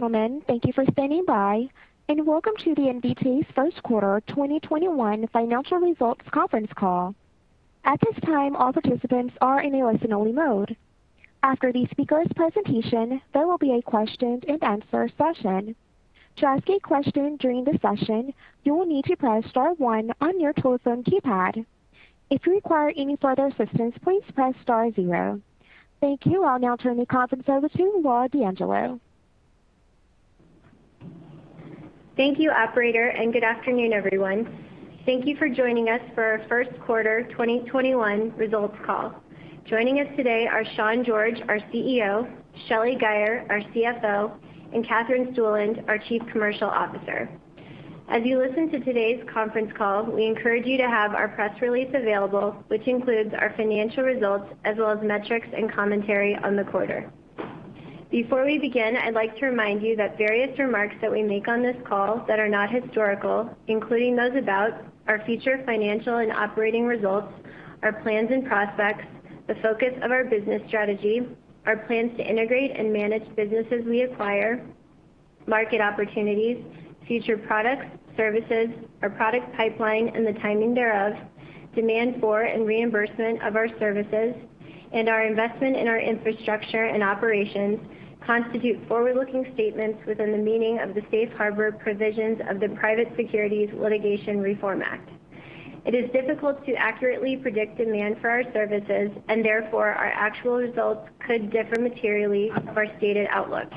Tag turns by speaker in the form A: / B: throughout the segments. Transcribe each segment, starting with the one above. A: Ladies and gentlemen, thank you for standing by, and welcome to the Invitae's first quarter 2021 financial results conference call. I'll now turn the conference over to Laura D'Angelo.
B: Thank you, operator. Good afternoon, everyone. Thank you for joining us for our first quarter 2021 results call. Joining us today are Sean George, our CEO; Shelly Guyer, our CFO; and Katherine Stueland, our Chief Commercial Officer. As you listen to today's conference call, we encourage you to have our press release available, which includes our financial results as well as metrics and commentary on the quarter. Before we begin, I'd like to remind you that various remarks that we make on this call that are not historical, including those about our future financial and operating results, our plans and prospects, the focus of our business strategy, our plans to integrate and manage businesses we acquire, market opportunities, future products, services, our product pipeline and the timing thereof, demand for and reimbursement of our services, and our, and vestment in our infrastructure and operations, constitute forward-looking statements within the meaning of the Safe Harbor provisions of the Private Securities Litigation Reform Act. It is difficult to accurately predict demand for our services, and therefore our actual results could differ materially from our stated outlook.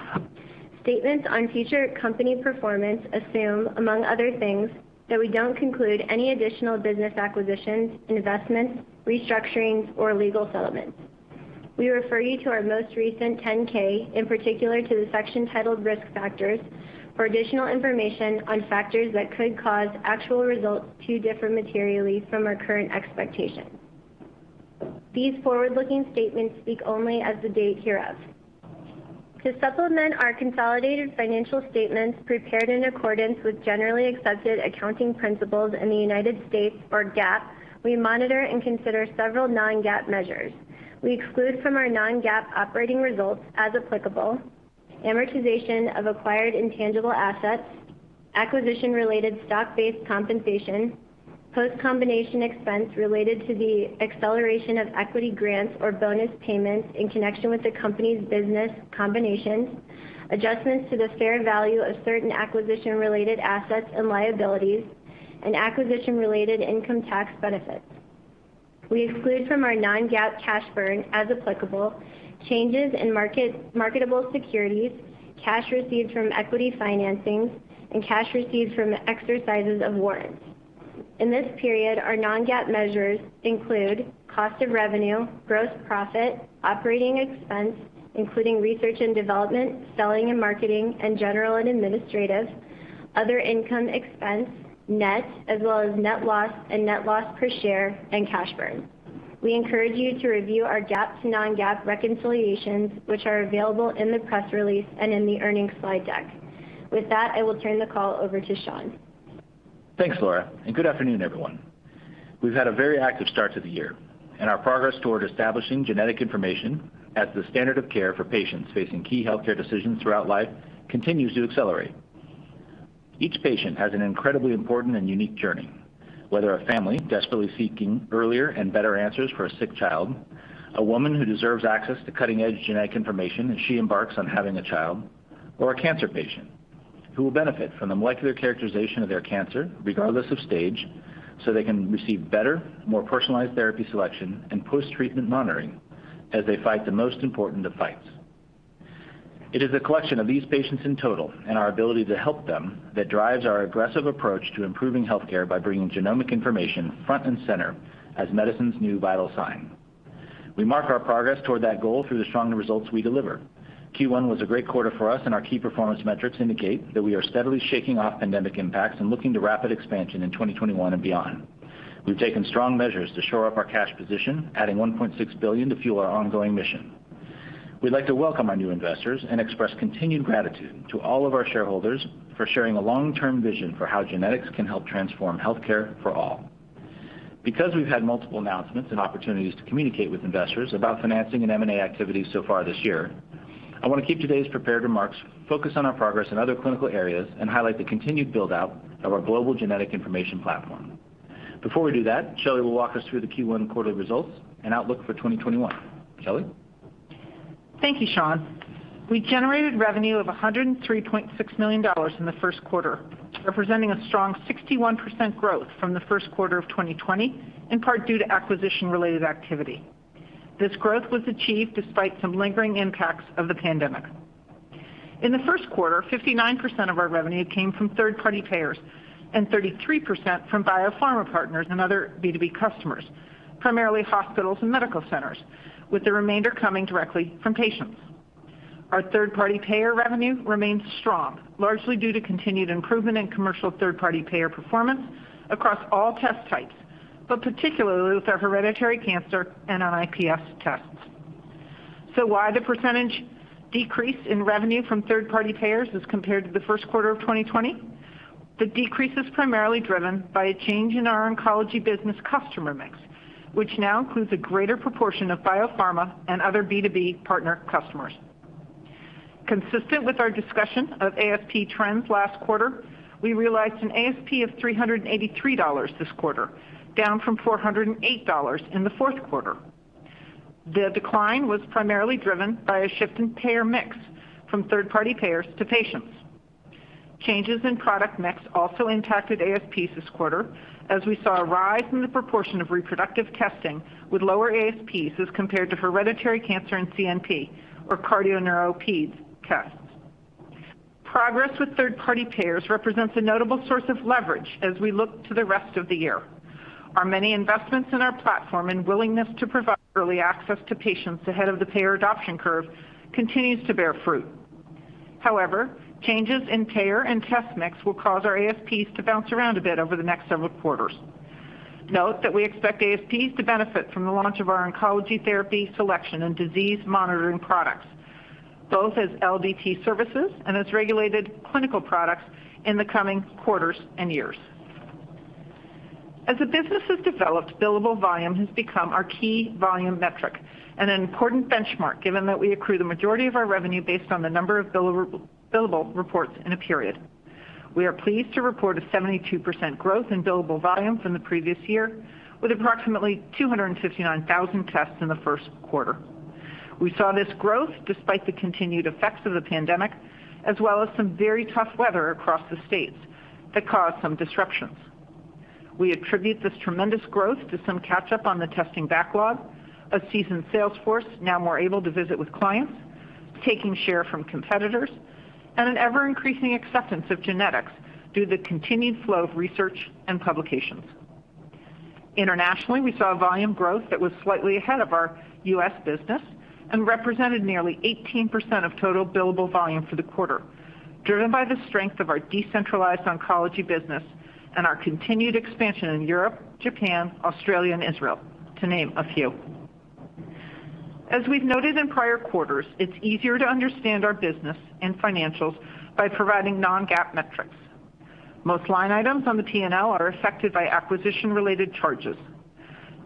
B: Statements on future company performance assume, among other things, that we don't conclude any additional business acquisitions, investments, restructurings, or legal settlements. We refer you to our most recent 10-K, in particular to the section titled Risk Factors, for additional information on factors that could cause actual results to differ materially from our current expectations. These forward-looking statements speak only as the date hereof. To supplement our consolidated financial statements prepared in accordance with generally accepted accounting principles in the United States, or GAAP, we monitor and consider several non-GAAP measures. We exclude from our non-GAAP operating results, as applicable, amortization of acquired intangible assets, acquisition-related stock-based compensation, post-combination expense related to the acceleration of equity grants or bonus payments in connection with the company's business combination, adjustments to the fair value of certain acquisition-related assets and liabilities, and acquisition-related income tax benefits. We exclude from our non-GAAP cash burn, as applicable, changes in marketable securities, cash received from equity financings, and cash received from exercises of warrants. In this period, our non-GAAP measures include cost of revenue, gross profit, operating expense, including research and development, selling and marketing, and general and administrative, other income expense, net, as well as net loss and net loss per share, and cash burn. We encourage you to review our GAAP to non-GAAP reconciliations, which are available in the press release and in the earnings slide deck. With that, I will turn the call over to Sean.
C: Thanks, Laura. Good afternoon, everyone. We've had a very active start to the year. Our progress toward establishing genetic information as the standard of care for patients facing key healthcare decisions throughout life continues to accelerate. Each patient has an incredibly important and unique journey, whether a family desperately seeking earlier and better answers for a sick child, a woman who deserves access to cutting-edge genetic information as she embarks on having a child, or a cancer patient who will benefit from the molecular characterization of their cancer, regardless of stage, so they can receive better, more personalized therapy selection and post-treatment monitoring as they fight the most important of fights. It is the collection of these patients in total and our ability to help them that drives our aggressive approach to improving healthcare by bringing genomic information front and center as medicine's new vital sign. We mark our progress toward that goal through the strong results we deliver. Q1 was a great quarter for us, and our key performance metrics indicate that we are steadily shaking off pandemic impacts and looking to rapid expansion in 2021 and beyond. We've taken strong measures to shore up our cash position, adding $1.6 billion to fuel our ongoing mission. We'd like to welcome our new investors and express continued gratitude to all of our shareholders for sharing a long-term vision for how genetics can help transform healthcare for all. Because we've had multiple announcements and opportunities to communicate with investors about financing and M&A activities so far this year, I want to keep today's prepared remarks focused on our progress in other clinical areas and highlight the continued build-out of our global genetic information platform. Before we do that, Shelly will walk us through the Q1 quarterly results and outlook for 2021. Shelly?
D: Thank you, Sean. We generated revenue of $103.6 million in the first quarter, representing a strong 61% growth from the first quarter of 2020, in part due to acquisition-related activity. This growth was achieved despite some lingering impacts of the pandemic. In the first quarter, 59% of our revenue came from third-party payers and 33% from biopharma partners and other B2B customers, primarily hospitals and medical centers, with the remainder coming directly from patients. Our third-party payer revenue remains strong, largely due to continued improvement in commercial third-party payer performance across all test types, but particularly with our hereditary cancer and NIPS tests. Why the percentage decrease in revenue from third-party payers as compared to the first quarter of 2020? The decrease is primarily driven by a change in our oncology business customer mix, which now includes a greater proportion of biopharma and other B2B partner customers. Consistent with our discussion of ASP trends last quarter, we realized an ASP of $383 this quarter, down from $408 in the fourth quarter. The decline was primarily driven by a shift in payer mix from third-party payers to patients. Changes in product mix also impacted ASPs this quarter, as we saw a rise in the proportion of reproductive testing with lower ASPs as compared to hereditary cancer and CNP, or cardio-neuro-peds, tests. Progress with third-party payers represents a notable source of leverage as we look to the rest of the year. Our many investments in our platform and willingness to provide early access to patients ahead of the payer adoption curve continues to bear fruit. However, changes in payer and test mix will cause our ASPs to bounce around a bit over the next several quarters. Note that we expect ASPs to benefit from the launch of our oncology therapy selection and disease monitoring products, both as LDT services and as regulated clinical products in the coming quarters and years. As the business has developed, billable volume has become our key volume metric and an important benchmark, given that we accrue the majority of our revenue based on the number of billable reports in a period. We are pleased to report a 72% growth in billable volume from the previous year, with approximately 259,000 tests in the first quarter. We saw this growth despite the continued effects of the pandemic, as well as some very tough weather across the states that caused some disruptions. We attribute this tremendous growth to some catch-up on the testing backlog, a seasoned sales force now more able to visit with clients, taking share from competitors, and an ever-increasing acceptance of genetics due to the continued flow of research and publications. Internationally, we saw volume growth that was slightly ahead of our U.S. business and represented nearly 18% of total billable volume for the quarter, driven by the strength of our decentralized oncology business and our continued expansion in Europe, Japan, Australia, and Israel, to name a few. As we've noted in prior quarters, it's easier to understand our business and financials by providing non-GAAP metrics. Most line items on the P&L are affected by acquisition-related charges.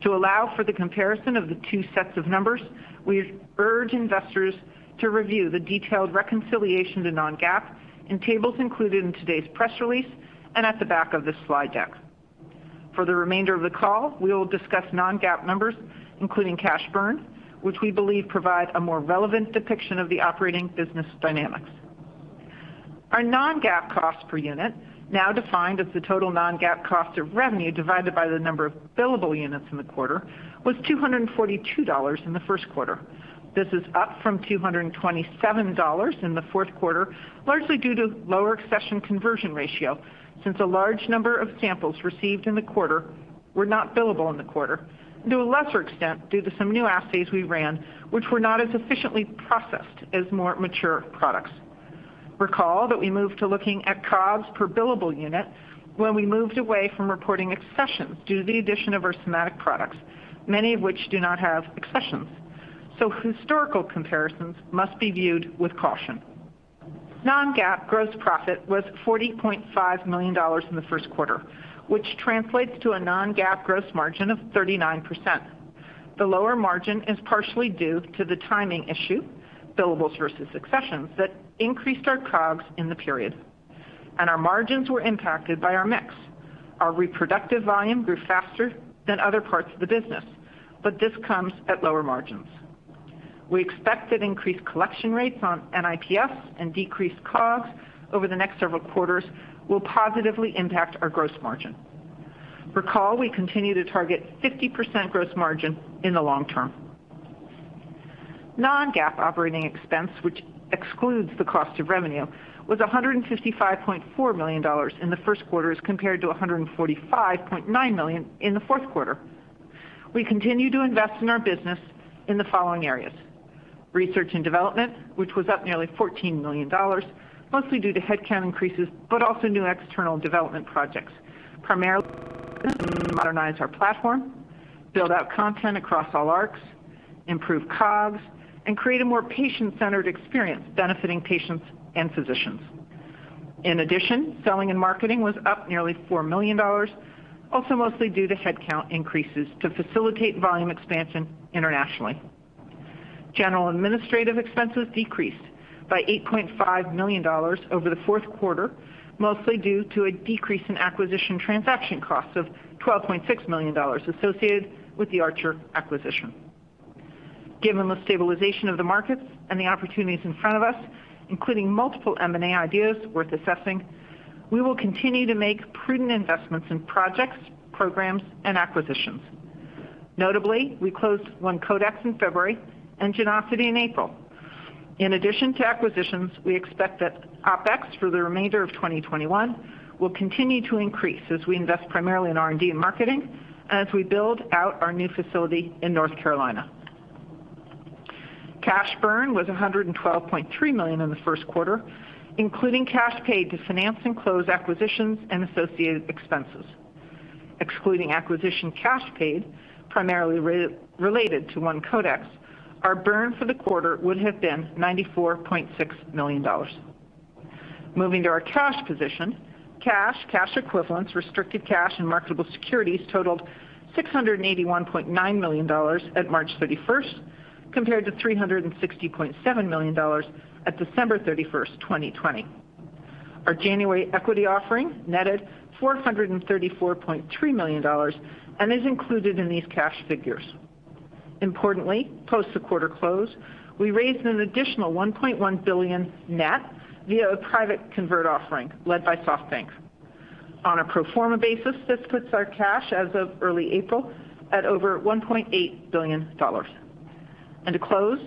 D: To allow for the comparison of the two sets of numbers, we urge investors to review the detailed reconciliation to non-GAAP in tables included in today's press release and at the back of this slide deck. For the remainder of the call, we will discuss non-GAAP numbers, including cash burn, which we believe provide a more relevant depiction of the operating business dynamics. Our non-GAAP cost per unit, now defined as the total non-GAAP cost of revenue divided by the number of billable units in the quarter, was $242 in the first quarter. This is up from $227 in the fourth quarter, largely due to lower accession conversion ratio, since a large number of samples received in the quarter were not billable in the quarter, and to a lesser extent due to some new assays we ran, which were not as efficiently processed as more mature products. Recall that we moved to looking at COGS per billable unit when we moved away from reporting accessions due to the addition of our somatic products, many of which do not have accessions. Historical comparisons must be viewed with caution. Non-GAAP gross profit was $40.5 million in the first quarter, which translates to a non-GAAP gross margin of 39%. The lower margin is partially due to the timing issue, billables versus accessions, that increased our COGS in the period. Our margins were impacted by our mix. Our reproductive volume grew faster than other parts of the business, this comes at lower margins. We expect that increased collection rates on NIPS and decreased COGS over the next several quarters will positively impact our gross margin. Recall we continue to target 50% gross margin in the long term. Non-GAAP operating expense, which excludes the cost of revenue, was $155.4 million in the first quarter compared to $145.9 million in the fourth quarter. We continue to invest in our business in the following areas: research and development, which was up nearly $14 million, mostly due to headcount increases, but also new external development projects, primarily to modernize our platform, build out content across all arcs, improve COGS, and create a more patient-centered experience benefiting patients and physicians. In addition, selling and marketing was up nearly $4 million, also mostly due to headcount increases to facilitate volume expansion internationally. General administrative expenses decreased by $8.5 million over the fourth quarter, mostly due to a decrease in acquisition transaction costs of $12.6 million associated with the ArcherDX acquisition. Given the stabilization of the markets and the opportunities in front of us, including multiple M&A ideas worth assessing, we will continue to make prudent investments in projects, programs, and acquisitions. Notably, we closed One Codex in February and Genosity in April. In addition to acquisitions, we expect that OPEX for the remainder of 2021 will continue to increase as we invest primarily in R&D and marketing and as we build out our new facility in North Carolina. Cash burn was $112.3 million in the first quarter, including cash paid to finance and close acquisitions and associated expenses. Excluding acquisition cash paid, primarily related to One Codex, our burn for the quarter would have been $94.6 million. Moving to our cash position, cash equivalents, restricted cash, and marketable securities totaled $681.9 million at March 31st, compared to $360.7 million at December 31st, 2020. Our January equity offering netted $434.3 million and is included in these cash figures. Importantly, post the quarter close, we raised an additional $1.1 billion net via a private convertible offering led by SoftBank. On a pro forma basis, this puts our cash as of early April at over $1.8 billion. To close,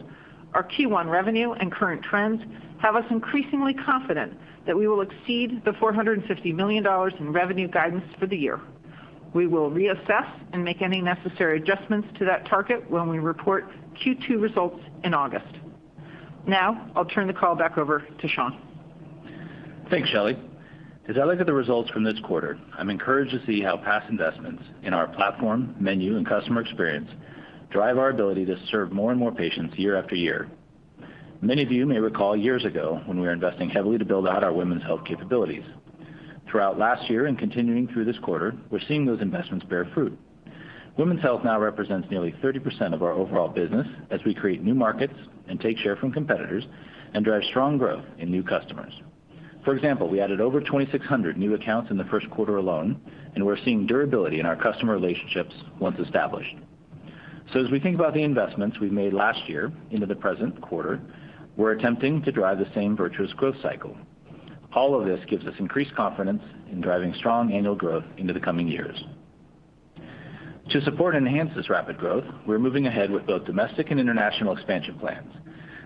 D: our Q1 revenue and current trends have us increasingly confident that we will exceed the $450 million in revenue guidance for the year. We will reassess and make any necessary adjustments to that target when we report Q2 results in August. Now, I'll turn the call back over to Sean.
C: Thanks, Shelly. As I look at the results from this quarter, I'm encouraged to see how past investments in our platform, menu, and customer experience drive our ability to serve more and more patients year after year. Many of you may recall years ago when we were investing heavily to build out our women's health capabilities. Throughout last year and continuing through this quarter, we're seeing those investments bear fruit. Women's health now represents nearly 30% of our overall business as we create new markets and take share from competitors and drive strong growth in new customers. For example, we added over 2,600 new accounts in the first quarter alone, and we're seeing durability in our customer relationships once established. As we think about the investments we've made last year into the present quarter, we're attempting to drive the same virtuous growth cycle. All of this gives us increased confidence in driving strong annual growth into the coming years. To support and enhance this rapid growth, we're moving ahead with both domestic and international expansion plans.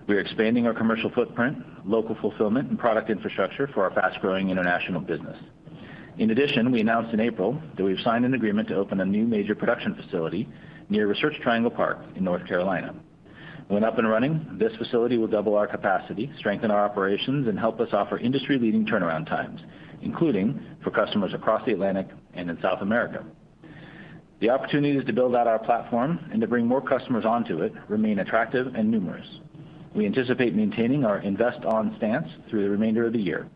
C: We are expanding our commercial footprint, local fulfillment, and product infrastructure for our fast-growing international business. In addition, we announced in April that we've signed an agreement to open a new major production facility near Research Triangle Park in North Carolina. When up and running, this facility will double our capacity, strengthen our operations, and help us offer industry-leading turnaround times, including for customers across the Atlantic and in South America. The opportunities to build out our platform and to bring more customers onto it remain attractive and numerous. We anticipate maintaining our invest-on stance through the remainder of the year.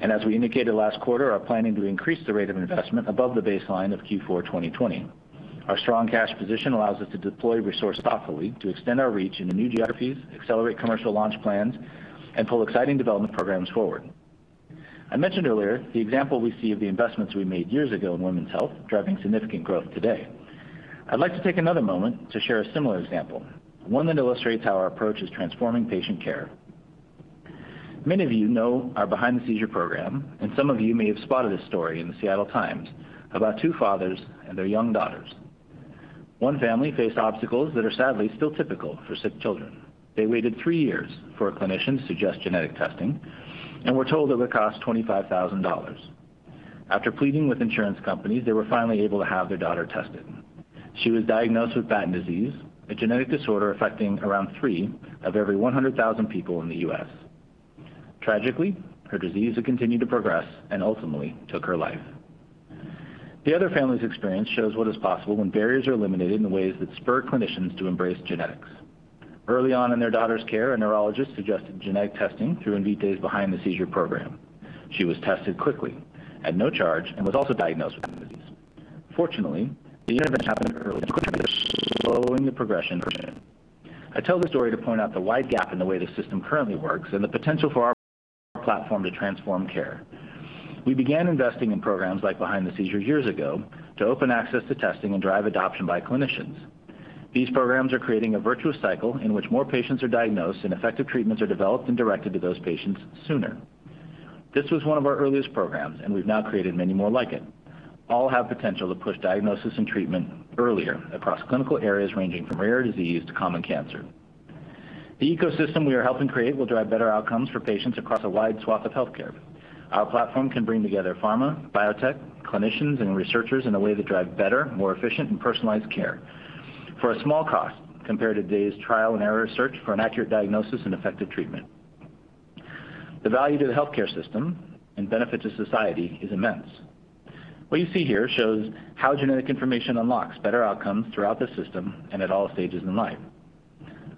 C: As we indicated last quarter, our planning to increase the rate of investment above the baseline of Q4 2020. Our strong cash position allows us to deploy resources thoughtfully to extend our reach into new geographies, accelerate commercial launch plans, and pull exciting development programs forward. I mentioned earlier the example we see of the investments we made years ago in women's health driving significant growth today. I'd like to take another moment to share a similar example, one that illustrates how our approach is transforming patient care. Many of you know our Behind the Seizure program, and some of you may have spotted this story in the Seattle Times about two fathers and their young daughters. One family faced obstacles that are sadly still typical for sick children. They waited three years for a clinician to suggest genetic testing and were told it would cost $25,000. After pleading with insurance companies, they were finally able to have their daughter tested. She was diagnosed with Batten disease, a genetic disorder affecting around three of every 100,000 people in the U.S. Tragically, her disease continued to progress and ultimately took her life. The other family's experience shows what is possible when barriers are eliminated in ways that spur clinicians to embrace genetics. Early on in their daughter's care, a neurologist suggested genetic testing through Invitae's Behind the Seizure program. She was tested quickly, at no charge, and was also diagnosed with the disease. Fortunately, the intervention happened early and quickly, slowing the progression of her condition. I tell this story to point out the wide gap in the way the system currently works and the potential for our platform to transform care. We began investing in programs like behind-the-scenes years ago to open access to testing and drive adoption by clinicians. These programs are creating a virtuous cycle in which more patients are diagnosed and effective treatments are developed and directed to those patients sooner. This was one of our earliest programs, and we've now created many more like it. All have potential to push diagnosis and treatment earlier across clinical areas ranging from rare disease to common cancer. The ecosystem we are helping create will drive better outcomes for patients across a wide swath of healthcare. Our platform can bring together pharma, biotech, clinicians, and researchers in a way that drives better, more efficient, and personalized care for a small cost compared to today's trial and error search for an accurate diagnosis and effective treatment. The value to the healthcare system and benefit to society is immense. What you see here shows how genetic information unlocks better outcomes throughout the system and at all stages in life.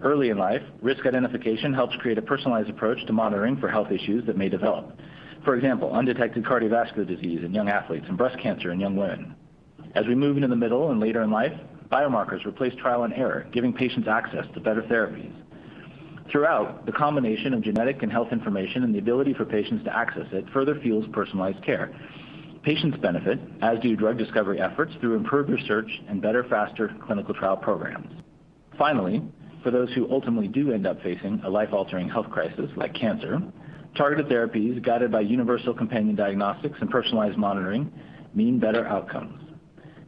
C: Early in life, risk identification helps create a personalized approach to monitoring for health issues that may develop. For example, undetected cardiovascular disease in young athletes and breast cancer in young women. As we move into the middle and later in life, biomarkers replace trial and error, giving patients access to better therapies. Throughout, the combination of genetic and health information and the ability for patients to access it further fuels personalized care, patients benefit, as do drug discovery efforts through improved research and better, faster clinical trial programs. Finally, for those who ultimately do end up facing a life-altering health crisis like cancer, targeted therapies guided by universal companion diagnostics and personalized monitoring mean better outcomes.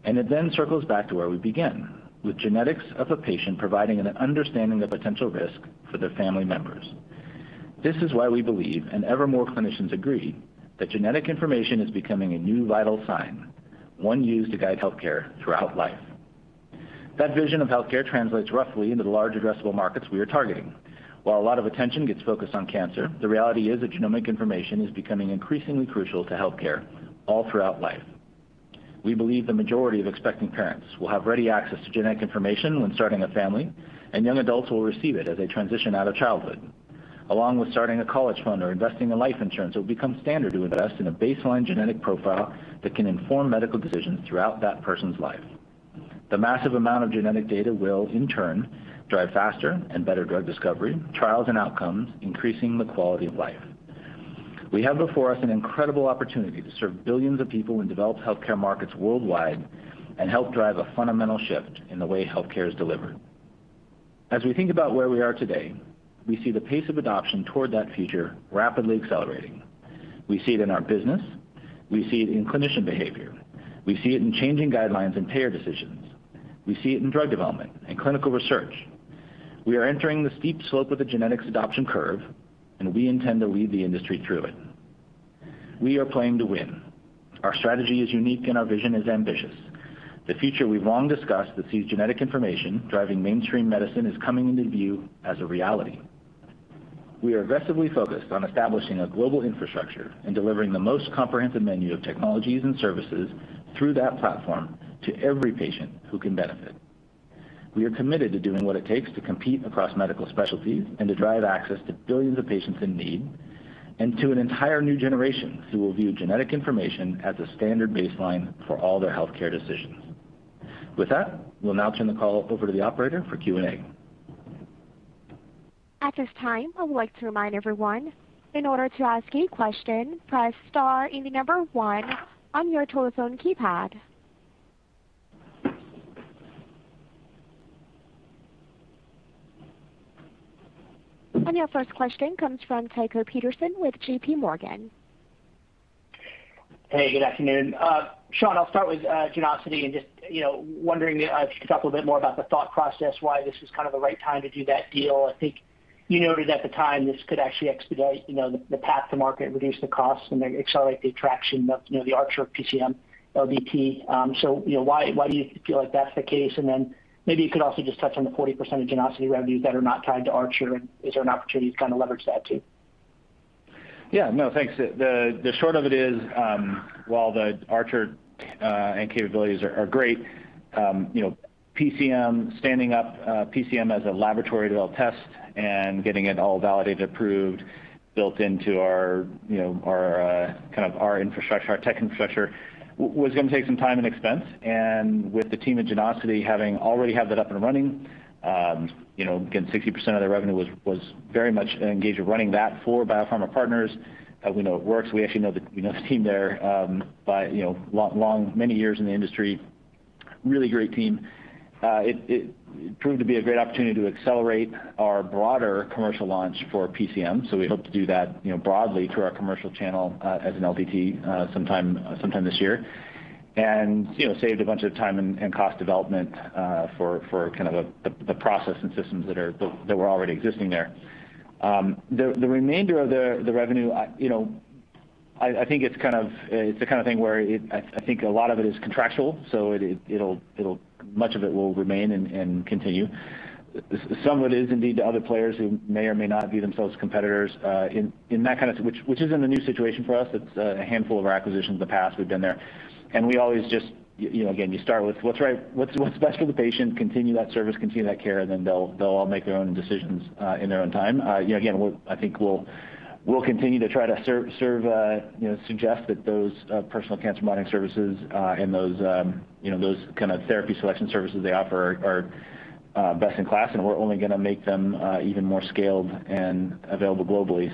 C: It then circles back to where we begin, with genetics of a patient providing an understanding of potential risk for their family members. This is why we believe, and ever more clinicians agree, that genetic information is becoming a new vital sign, one used to guide healthcare throughout life. That vision of healthcare translates roughly into the large addressable markets we are targeting. While a lot of attention gets focused on cancer, the reality is that genomic information is becoming increasingly crucial to healthcare all throughout life. We believe the majority of expecting parents will have ready access to genetic information when starting a family, and young adults will receive it as they transition out of childhood. Along with starting a college fund or investing in life insurance, it will become standard to invest in a baseline genetic profile that can inform medical decisions throughout that person's life. The massive amount of genetic data will, in turn, drive faster and better drug discovery, trials, and outcomes, increasing the quality of life. We have before us an incredible opportunity to serve billions of people and develop healthcare markets worldwide and help drive a fundamental shift in the way healthcare is delivered. As we think about where we are today, we see the pace of adoption toward that future rapidly accelerating. We see it in our business. We see it in clinician behavior. We see it in changing guidelines and payer decisions. We see it in drug development and clinical research. We are entering the steep slope of the genetics adoption curve, and we intend to lead the industry through it. We are playing to win. Our strategy is unique, and our vision is ambitious. The future we've long discussed that sees genetic information driving mainstream medicine is coming into view as a reality. We are aggressively focused on establishing a global infrastructure and delivering the most comprehensive menu of technologies and services through that platform to every patient who can benefit. We are committed to doing what it takes to compete across medical specialties and to drive access to billions of patients in need and to an entire new generation who will view genetic information as a standard baseline for all their healthcare decisions. With that, we'll now turn the call over to the operator for Q&A.
A: At this time, I would like to remind everyone, in order to ask a question, press star in the number one on your telephone keypad. Your first question comes from Tycho Peterson with JP Morgan.
E: Hey, good afternoon. Sean, I'll start with Genosity and just wondering if you could talk a little bit more about the thought process, why this was kind of the right time to do that deal. I think you noted at the time this could actually expedite the path to market, reduce the costs, and accelerate the traction of the ArcherDX PCM LDT. Why do you feel like that's the case? Maybe you could also just touch on the 40% of Genosity revenues that are not tied to ArcherDX, and is there an opportunity to kind of leverage that too?
C: Yeah, no, thanks. The short of it is, while the ArcherDX capabilities are great, standing up PCM as a laboratory-developed test and getting it all validated, approved, built into our kind of our infrastructure, our tech infrastructure, was going to take some time and expense. With the team at Genosity already having that up and running, again, 60% of their revenue was very much engaged in running that for biopharma partners. We know it works. We actually know the team there by many years in the industry. Really great team. It proved to be a great opportunity to accelerate our broader commercial launch for PCM. We hope to do that broadly through our commercial channel as an LDT sometime this year. Saved a bunch of time and cost development for kind of the process and systems that were already existing there. The remainder of the revenue, I think it's kind of a kind of thing where I think a lot of it is contractual, so much of it will remain and continue. Some of it is indeed to other players who may or may not view themselves as competitors in that kind of situation, which isn't a new situation for us. It's a handful of our acquisitions in the past. We've been there. We always just, again, you start with what's best for the patient, continue that service, continue that care, and then they'll all make their own decisions in their own time. Again, I think we'll continue to try to suggest that those personal cancer monitoring services and those kind of therapy selection services they offer are best in class, and we're only going to make them even more scaled and available globally.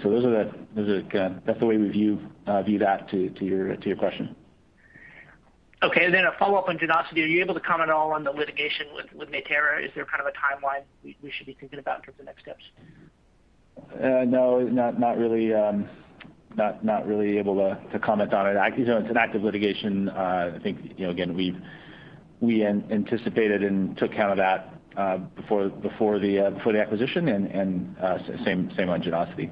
C: That's the way we view that to your question.
E: Okay. A follow-up on Genosity, are you able to comment on the litigation with Natera? Is there kind of a timeline we should be thinking about in terms of next steps?
C: No, not really able to comment on it. It's an active litigation. I think, again, we anticipated and took count of that before the acquisition, and same on Genosity.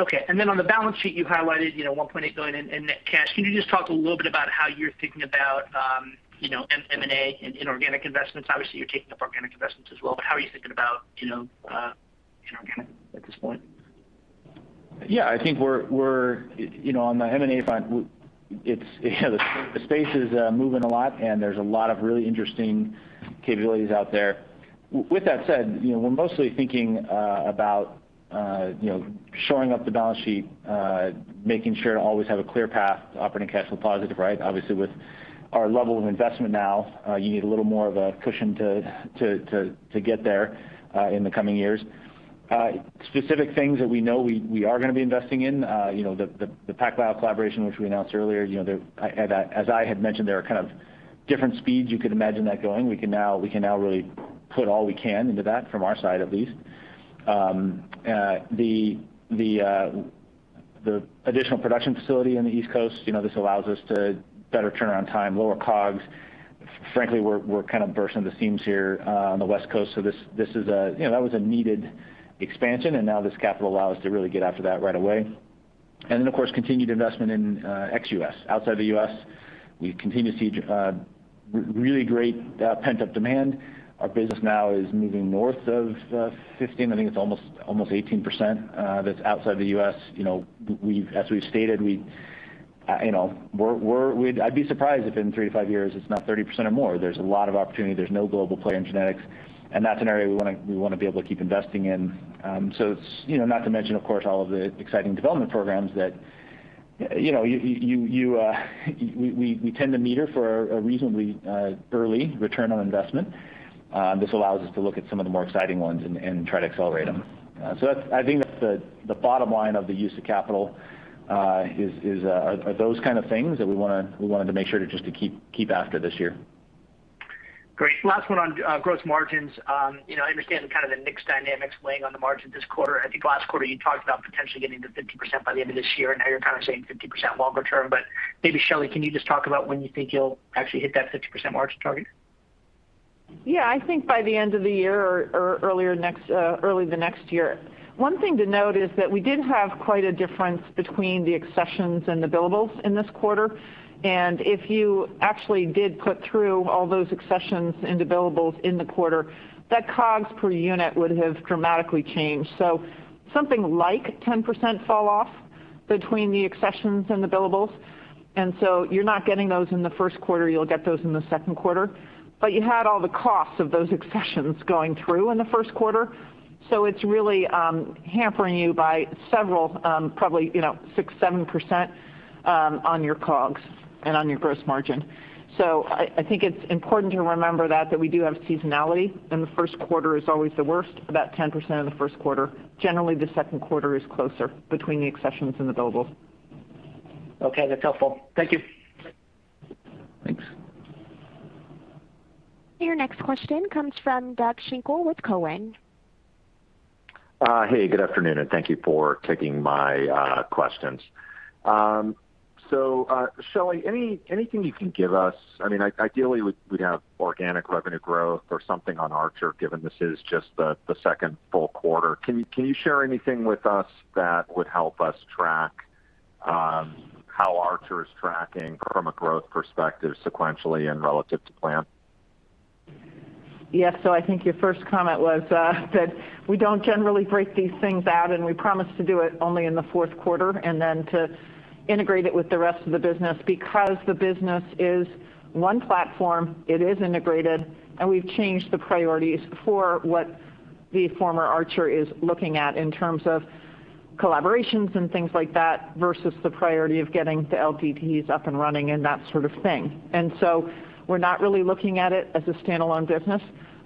E: Okay. On the balance sheet, you highlighted $1.8 billion in net cash. Can you just talk a little bit about how you're thinking about M&A and inorganic investments? Obviously, you're taking up organic investments as well, but how are you thinking about inorganic at this point?
C: Yeah, I think we're on the M&A front. The space is moving a lot, there's a lot of really interesting capabilities out there. With that said, we're mostly thinking about shoring up the balance sheet, making sure to always have a clear path to operating cash flow positive, right? Obviously, with our level of investment now, you need a little more of a cushion to get there in the coming years. Specific things that we know we are going to be investing in, the PacBio collaboration which we announced earlier, as I had mentioned, there are kind of different speeds you could imagine that going. We can now really put all we can into that, from our side at least. The additional production facility in the East Coast, this allows us to better turnaround time, lower COGS. Frankly, we're kind of bursting the seams here on the West Coast, this was a needed expansion. Now this capital allows us to really get after that right away. Of course, continued investment in ex-US. Outside the U.S., we continue to see really great pent-up demand. Our business now is moving north of 15. I think it's almost 18% that's outside the U.S. As we've stated, I'd be surprised if in three to five years it's not 30% or more. There's a lot of opportunity. There's no global player in genetics, that's an area we want to be able to keep investing in. Not to mention, of course, all of the exciting development programs that we tend to meter for a reasonably early return on investment. This allows us to look at some of the more exciting ones and try to accelerate them. I think that's the bottom line of the use of capital, are those kind of things that we wanted to make sure to just keep after this year.
E: Great. Last one on gross margins. I understand kind of the mix dynamics weighing on the margin this quarter. I think last quarter you talked about potentially getting to 50% by the end of this year, and now you're kind of saying 50% longer term. Maybe, Shelly, can you just talk about when you think you'll actually hit that 50% margin target?
D: Yeah, I think by the end of the year or early the next year. One thing to note is that we did have quite a difference between the accessions and the billables in this quarter. If you actually did put through all those accessions and the billables in the quarter, that COGS per unit would have dramatically changed. Something like 10% falloff between the accessions and the billables. You're not getting those in the first quarter. You'll get those in the second quarter. You had all the costs of those accessions going through in the first quarter, so it's really hampering you by several, probably 6%, 7% on your COGS and on your gross margin. I think it's important to remember that we do have seasonality, and the first quarter is always the worst, about 10% of the first quarter. Generally, the second quarter is closer between the accessions and the billables.
E: Okay, that's helpful. Thank you.
C: Thanks.
A: Your next question comes from Doug Schenkel with Cowen.
F: Hey, good afternoon, and thank you for taking my questions. Shelly, anything you can give us? I mean, ideally, we'd have organic revenue growth or something on ArcherDX, given this is just the second full quarter. Can you share anything with us that would help us track how ArcherDX is tracking from a growth perspective sequentially and relative to plan?
D: Yes, I think your first comment was that we don't generally break these things out, and we promised to do it only in the fourth quarter and then to integrate it with the rest of the business because the business is one platform. It is integrated, we've changed the priorities for what the former ArcherDX is looking at in terms of collaborations and things like that versus the priority of getting the LDTs up and running and that sort of thing. We're not really looking at it as a standalone business.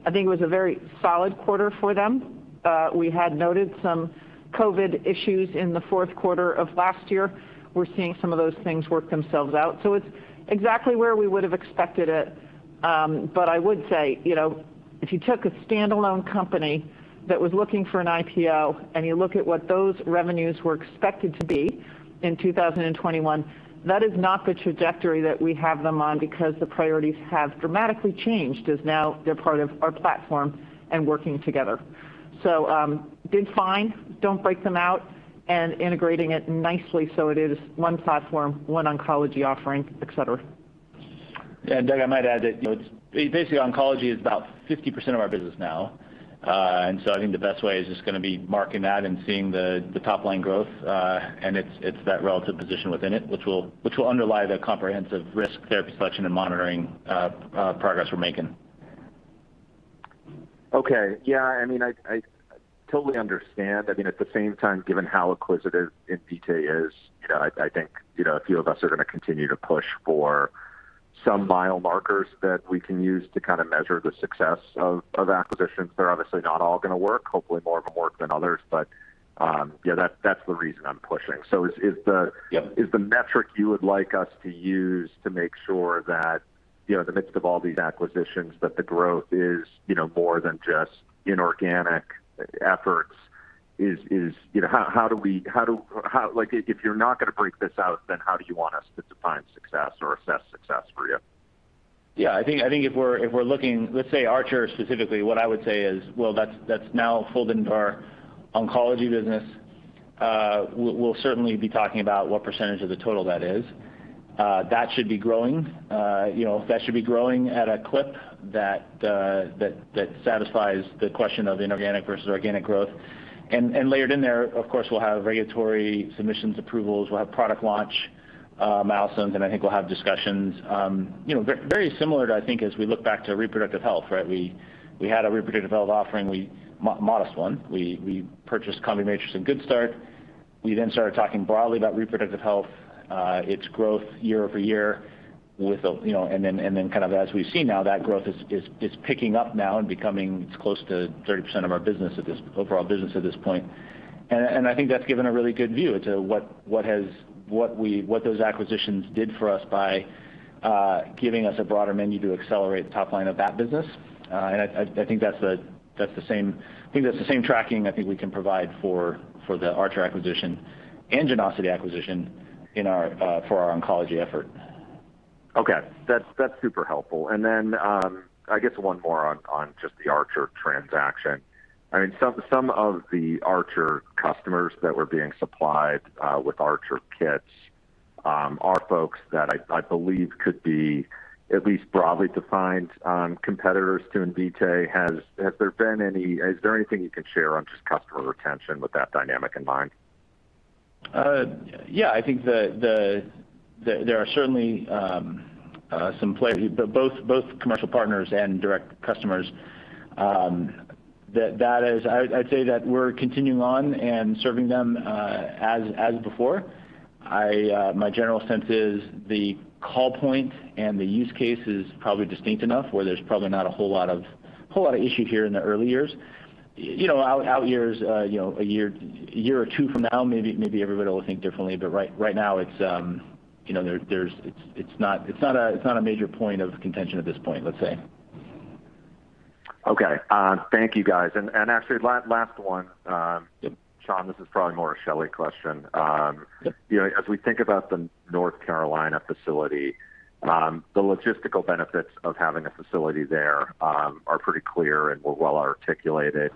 D: I think it was a very solid quarter for them. We had noted some COVID issues in the fourth quarter of last year. We're seeing some of those things work themselves out. It's exactly where we would have expected it. I would say, if you took a standalone company that was looking for an IPO, and you look at what those revenues were expected to be in 2021, that is not the trajectory that we have them on because the priorities have dramatically changed as now they're part of our platform and working together. Did fine. Don't break them out. Integrating it nicely so it is one platform, one oncology offering, etc.
C: Yeah, Doug, I might add. It's basically oncology is about 50% of our business now. I think the best way is just going to be marking that and seeing the top-line growth, and it's that relative position within it, which will underlie the comprehensive risk therapy selection and monitoring progress we're making.
F: I totally understand. At the same time, given how acquisitive Invitae is, I think a few of us are going to continue to push for some mile markers that we can use to kind of measure the success of acquisitions. They're obviously not all going to work. Hopefully, more of them work than others. That's the reason I'm pushing. Is the metric you would like us to use to make sure that, in the midst of all these acquisitions, that the growth is more than just inorganic efforts? If you're not going to break this out, then how do you want us to define success or assess success for you?
C: Yeah, I think if we're looking let's say Archer specifically, what I would say is, well, that's now folded into our oncology business. We'll certainly be talking about what percentage of the total that is. That should be growing. That should be growing at a clip that satisfies the question of inorganic versus organic growth. Layered in there, of course, we'll have regulatory submissions approvals. We'll have product launch milestones, and I think we'll have discussions. Very similar to, I think, as we look back to reproductive health, right? We had a reproductive health offering, a modest one. We purchased CombiMatrix and Good Start. We then started talking broadly about reproductive health, its growth year over year. Then kind of as we've seen now, that growth is picking up now and becoming it's close to 30% of our overall business at this point. I think that's given a really good view into what those acquisitions did for us by giving us a broader menu to accelerate the top line of that business. I think that's the same tracking I think we can provide for the Archer acquisition and Genosity acquisition for our oncology effort.
F: Okay, that's super helpful. I guess one more on just the ArcherDX transaction. I mean, some of the ArcherDX customers that were being supplied with ArcherDX kits are folks that I believe could be at least broadly defined competitors to Invitae. Is there anything you can share on just customer retention with that dynamic in mind?
C: Yeah, I think that there are certainly some players, both commercial partners and direct customers. I'd say that we're continuing on and serving them as before. My general sense is the call point and the use case is probably distinct enough where there's probably not a whole lot of issue here in the early years. Out years, a year or two from now, maybe everybody will think differently, but right now, it's not a major point of contention at this point, let's say.
F: Okay, thank you guys. Actually, last one, Sean, this is probably more a Shelly question. As we think about the North Carolina facility, the logistical benefits of having a facility there are pretty clear and were well articulated.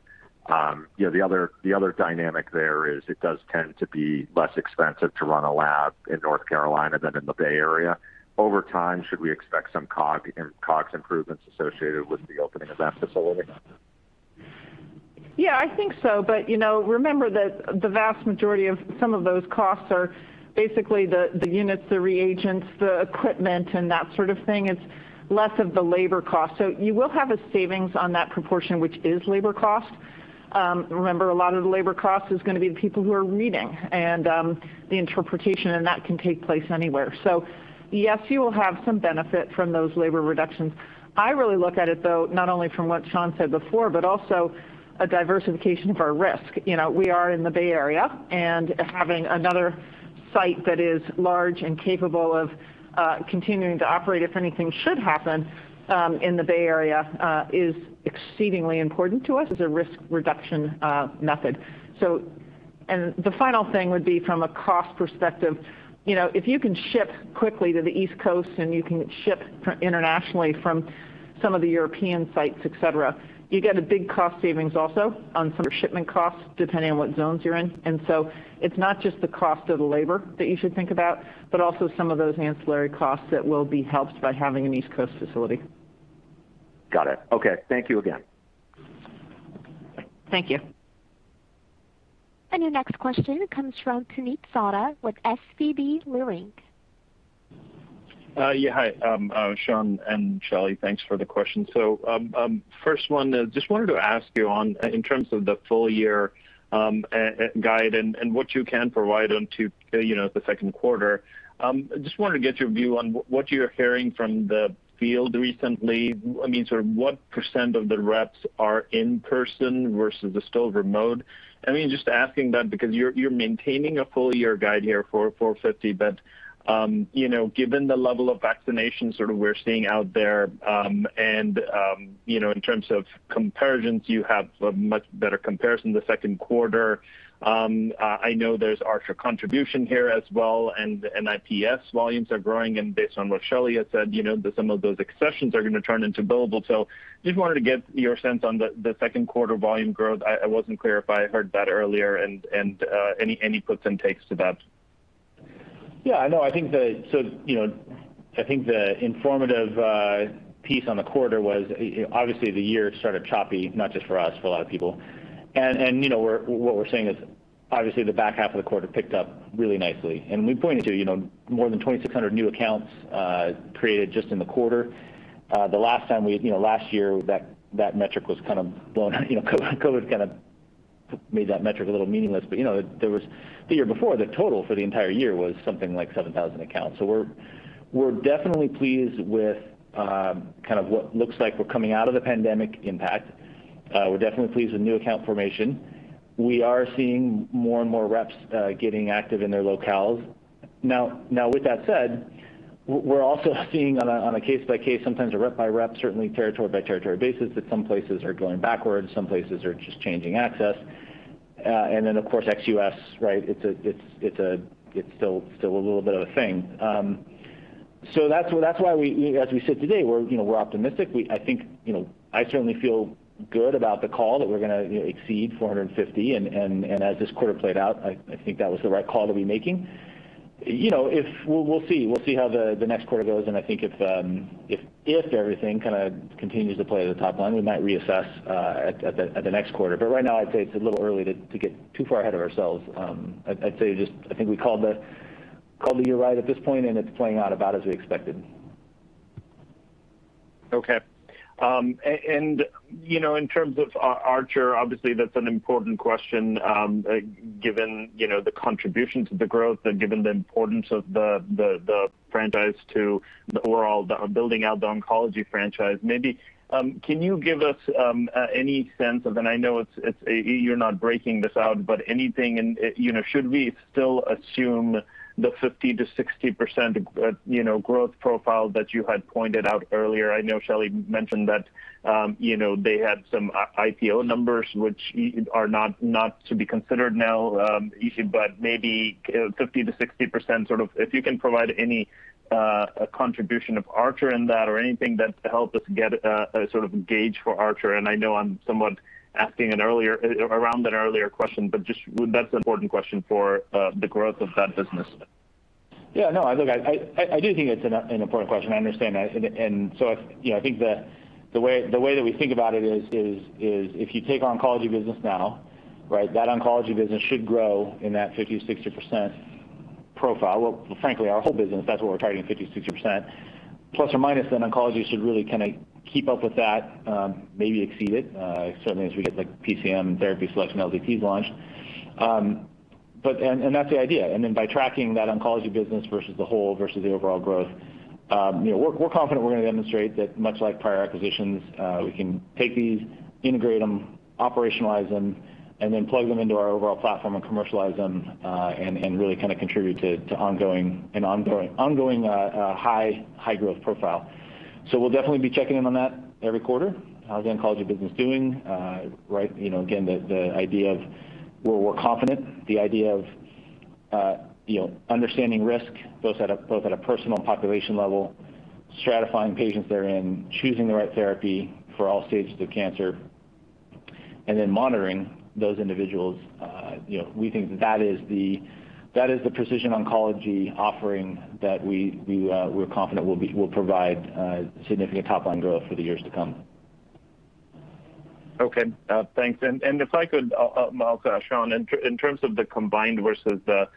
F: The other dynamic there is it does tend to be less expensive to run a lab in North Carolina than in the Bay Area. Over time, should we expect some COGS improvements associated with the opening of that facility?
D: Yeah, I think so. Remember that the vast majority of some of those costs are basically the units, the reagents, the equipment, and that sort of thing. It's less of the labor cost. You will have a savings on that proportion which is labor cost. Remember, a lot of the labor cost is going to be the people who are reading and the interpretation, and that can take place anywhere. Yes, you will have some benefit from those labor reductions. I really look at it, though, not only from what Sean said before, also a diversification of our risk. We are in the Bay Area. Having another site that is large and capable of continuing to operate, if anything should happen in the Bay Area, is exceedingly important to us as a risk reduction method. The final thing would be, from a cost perspective, if you can ship quickly to the East Coast and you can ship internationally from some of the European sites, etc., you get a big cost savings also on some shipment costs, depending on what zones you're in. It's not just the cost of the labor that you should think about, but also some of those ancillary costs that will be helped by having an East Coast facility.
F: Got it. Okay, thank you again.
D: Thank you.
A: Your next question comes from Puneet Souda with SVB Leerink.
G: Hi, Sean and Shelly. Thanks for the question. First one, I just wanted to ask you on. In terms of the full-year guide and what you can provide onto the second quarter, I just wanted to get your view on what you're hearing from the field recently. I mean, sort of what % of the reps are in-person versus still remote? I mean, just asking that because you're maintaining a full-year guide here for $450 million, given the level of vaccination sort of we're seeing out there and in terms of comparisons, you have a much better comparison the second quarter. I know there's ArcherDX contribution here as well. NIPS volumes are growing. Based on what Shelly had said, some of those accessions are going to turn into billable. I just wanted to get your sense on the second quarter volume growth.
C: I wasn't clear if I heard that earlier and any puts and takes to that. I think that I think the informative piece on the quarter was obviously, the year started choppy, not just for us, for a lot of people. What we're saying is obviously, the back half of the quarter picked up really nicely. We pointed to more than 2,600 new accounts created just in the quarter. The last time we last year, that metric was kind of blown out. COVID kind of made that metric a little meaningless, there was the year before, the total for the entire year was something like 7,000 accounts. We're definitely pleased with kind of what looks like we're coming out of the pandemic impact. We're definitely pleased with new account formation. We are seeing more and more reps getting active in their locales. With that said, we're also seeing on a case-by-case, sometimes a rep-by-rep, certainly territory-by-territory basis, that some places are going backwards. Some places are just changing access. Then, of course, ex-US, right? It's still a little bit of a thing. That's why we, as we sit today, we're optimistic. I think I certainly feel good about the call that we're going to exceed 450. As this quarter played out, I think that was the right call to be making. We'll see. We'll see how the next quarter goes. I think if everything kind of continues to play at the top line, we might reassess at the next quarter. Right now, I'd say it's a little early to get too far ahead of ourselves. I'd say just I think we called the year right at this point, and it's playing out about as we expected.
G: Okay. In terms of ArcherDX, obviously, that's an important question given the contribution to the growth and given the importance of the franchise to the overall building out the oncology franchise. Maybe can you give us any sense of and I know you're not breaking this out, but anything should we still assume the 50%-60% growth profile that you had pointed out earlier? I know Shelly mentioned that they had some IPO numbers, which are not to be considered now, but maybe 50%-60% sort of if you can provide any contribution of ArcherDX in that or anything that to help us get a sort of gauge for ArcherDX. I know I'm somewhat asking around that earlier question, but that's an important question for the growth of that business.
C: Yeah. No, look, I do think it's an important question. I understand. I think the way that we think about it is if you take oncology business now, right, that oncology business should grow in that 50%-60% profile. Well, frankly, our whole business, that's what we're targeting, 50%-60%. Plus or minus, then oncology should really kind of keep up with that, maybe exceed it, certainly as we get PCM and therapy selection LDTs launched. That's the idea. By tracking that oncology business versus the whole versus the overall growth, we're confident we're going to demonstrate that, much like prior acquisitions, we can take these, integrate them, operationalize them, and then plug them into our overall platform and commercialize them and really kind of contribute to an ongoing high-growth profile. We'll definitely be checking in on that every quarter. How's the oncology business doing? Again, the idea of where we're confident, the idea of understanding risk both at a personal and population level, stratifying patients therein, choosing the right therapy for all stages of cancer, and then monitoring those individuals. We think that that is the precision oncology offering that we're confident will provide significant top-line growth for the years to come.
G: Okay, thanks. If I could, Sean, in terms of the combined versus the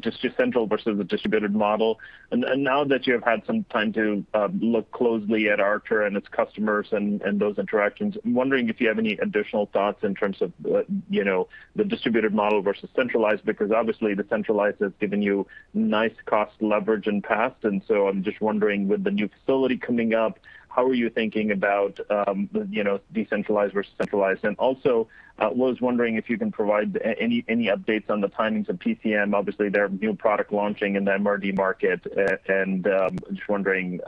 G: just central versus the distributed model, now that you have had some time to look closely at ArcherDX and its customers and those interactions, I'm wondering if you have any additional thoughts in terms of the distributed model versus centralized because, obviously, the centralized has given you nice cost leverage in the past. I'm just wondering, with the new facility coming up, how are you thinking about decentralized versus centralized? Also, I was wondering if you can provide any updates on the timings of PCM. Obviously, they're new product launching in the MRD market. Just wondering,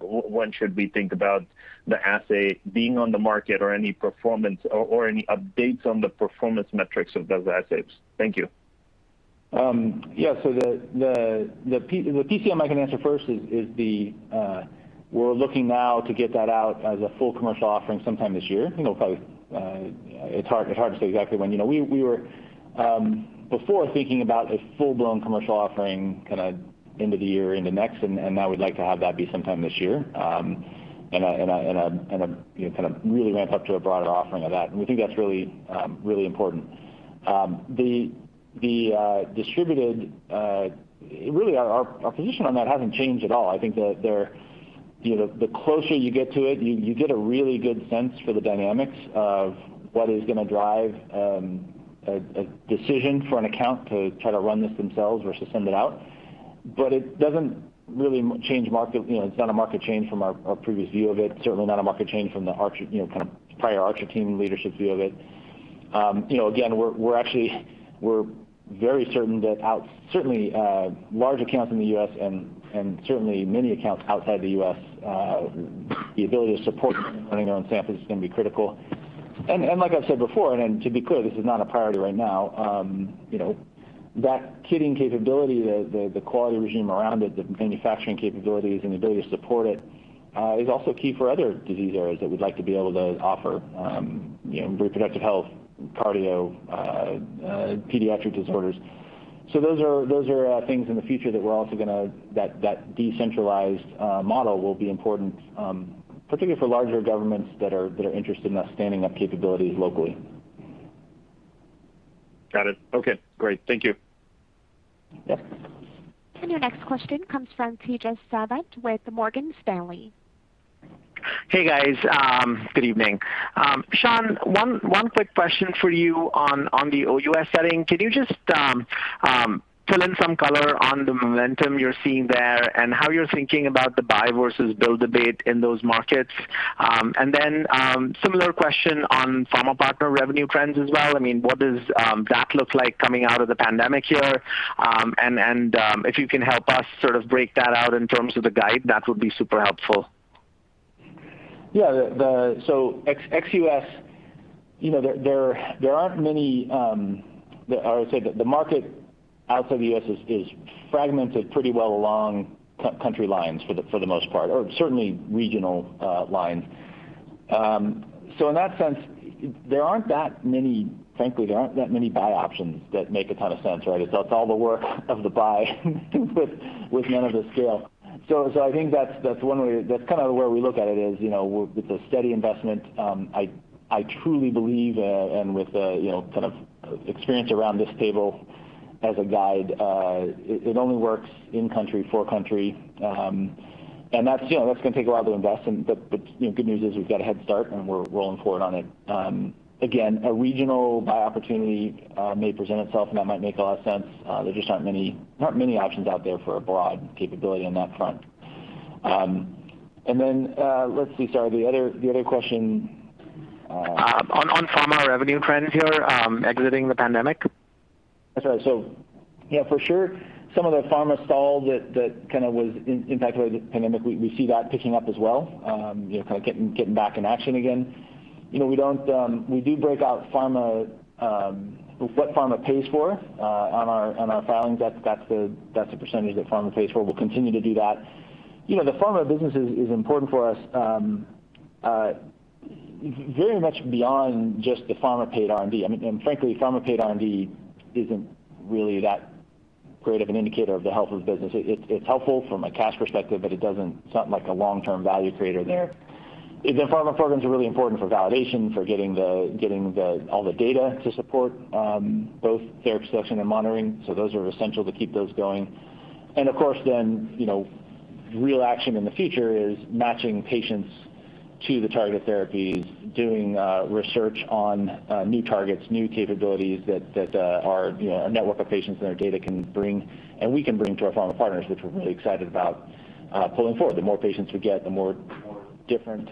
G: when should we think about the assay being on the market or any performance or any updates on the performance metrics of those assays? Thank you.
C: The PCM I can answer first is we're looking now to get that out as a full commercial offering sometime this year. It's hard to say exactly when. We were, before, thinking about a full-blown commercial offering kind of into the year, into next, and now we'd like to have that be sometime this year and kind of really ramp up to a broader offering of that. We think that's really important. The distributed really, our position on that hasn't changed at all. I think that the closer you get to it, you get a really good sense for the dynamics of what is going to drive a decision for an account to try to run this themselves versus send it out. It doesn't really change market. It's not a market change from our previous view of it, certainly not a market change from the prior ArcherDX team leadership view of it. Again, we're very certain that certainly, large accounts in the U.S. and certainly, many accounts outside the U.S., the ability to support them running their own samples is going to be critical. Like I've said before, and to be clear, this is not a priority right now, that kitting capability, the quality regime around it, the manufacturing capabilities, and the ability to support it is also key for other disease areas that we'd like to be able to offer, reproductive health, cardio, pediatric disorders. Those are things in the future that we're also going to that decentralized model will be important, particularly for larger governments that are interested in us standing up capabilities locally. Got it. Okay, great. Thank you. Yep.
A: Your next question comes from Tejas Savant with Morgan Stanley.
H: Hey, guys. Good evening. Sean, one quick question for you on the OUS setting. Can you just fill in some color on the momentum you're seeing there and how you're thinking about the buy versus build debate in those markets? Similar question on pharma partner revenue trends as well. I mean, what does that look like coming out of the pandemic year? If you can help us sort of break that out in terms of the guide, that would be super helpful.
C: Ex-U.S., there aren't many or I would say the market outside the U.S. is fragmented pretty well along country lines for the most part or certainly, regional lines. In that sense, there aren't that many frankly, there aren't that many buy options that make a ton of sense, right? It's all the work of the buy with none of the scale. I think that's one way that's kind of where we look at it is it's a steady investment. I truly believe, and with kind of experience around this table as a guide, it only works in-country, for-country. That's going to take a while to invest. Good news is we've got a head start, and we're rolling forward on it. A regional buy opportunity may present itself, and that might make a lot of sense. There just aren't many options out there for a broad capability on that front. Let's see. Sorry, the other question.
H: On pharma revenue trends here exiting the pandemic?
C: That's right. Yeah, for sure, some of the pharma stall that kind of was impacted by the pandemic, we see that picking up as well, kind of getting back in action again. We do break out what pharma pays for on our filings. That's the percentage that pharma pays for. We'll continue to do that. The pharma business is important for us very much beyond just the pharma-paid R&D. I mean, frankly, pharma-paid R&D isn't really that great of an indicator of the health of the business. It's helpful from a cash perspective, but it's not a long-term value creator there. The pharma programs are really important for validation, for getting all the data to support both therapy selection and monitoring. Those are essential to keep those going. Of course, then, real action in the future is matching patients to the targeted therapies, doing research on new targets, new capabilities that our network of patients and their data can bring and we can bring to our pharma partners, which we're really excited about pulling forward. The more patients we get, the more different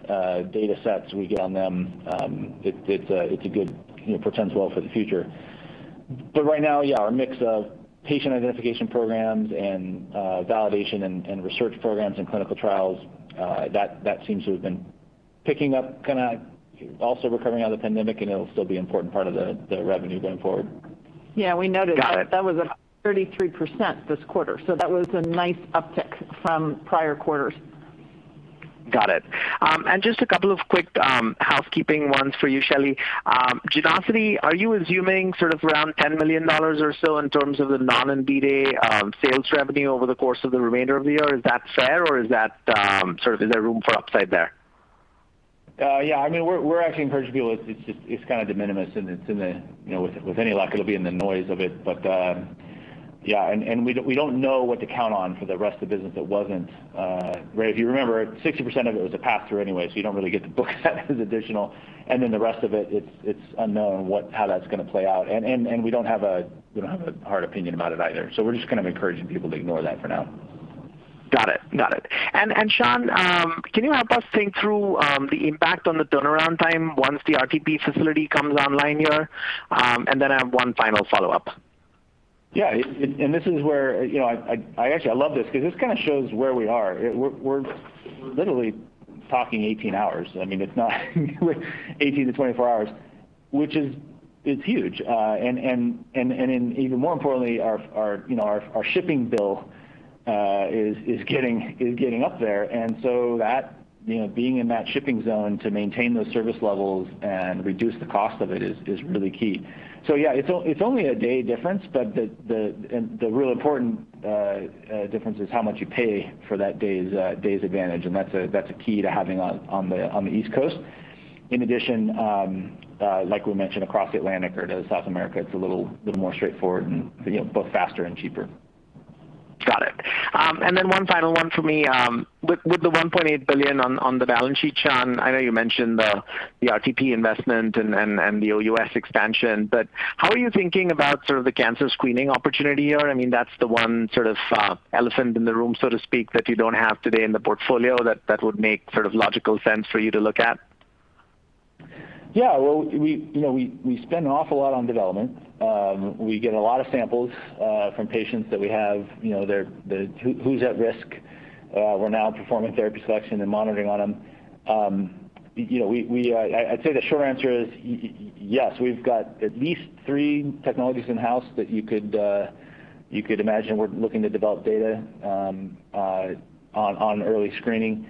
C: data sets we get on them, it pretends well for the future. Right now, yeah, our mix of patient identification programs and validation and research programs and clinical trials, that seems to have been picking up, kind of also recovering out of the pandemic, and it'll still be an important part of the revenue going forward.
D: Yeah, we noticed that. That was up 33% this quarter. That was a nice uptick from prior quarters.
H: Got it. Just a couple of quick housekeeping ones for you, Shelly. Genosity, are you assuming sort of around $10 million or so in terms of the non-NVTA sales revenue over the course of the remainder of the year? Is that fair, or is that sort of is there room for upside there?
C: Yeah, I mean, we're actually encouraging people. It's kind of de minimis, and with any luck, it'll be in the noise of it. We don't know what to count on for the rest of the business that wasn't. If you remember, 60% of it was a pass-through anyway, you don't really get to book that as additional. The rest of it's unknown how that's going to play out. We don't have a hard opinion about it either. We're just kind of encouraging people to ignore that for now.
H: Got it. Got it. Sean, can you help us think through the impact on the turnaround time once the RTP facility comes online here? I have one final follow-up.
C: This is where I actually, I love this because this kind of shows where we are. We're literally talking 18 hours. I mean, it's not 18 to 24 hours, which is huge. Even more importantly, our shipping bill is getting up there. Being in that shipping zone to maintain those service levels and reduce the cost of it is really key. It's only a day difference, the real important difference is how much you pay for that day's advantage. That's a key to having on the East Coast. In addition, like we mentioned, across Atlantic or to South America, it's a little more straightforward and both faster and cheaper.
H: Got it. One final one for me. With the $1.8 billion on the balance sheet, Sean, I know you mentioned the RTP investment and the OUS expansion, how are you thinking about sort of the cancer screening opportunity here? I mean, that's the one sort of elephant in the room, so to speak, that you don't have today in the portfolio that would make sort of logical sense for you to look at.
C: Yeah, well, we spend an awful lot on development. We get a lot of samples from patients that we have. Who's at risk? We're now performing therapy selection and monitoring on them. I'd say the short answer is yes. We've got at least three technologies in-house that you could imagine we're looking to develop data on early screening.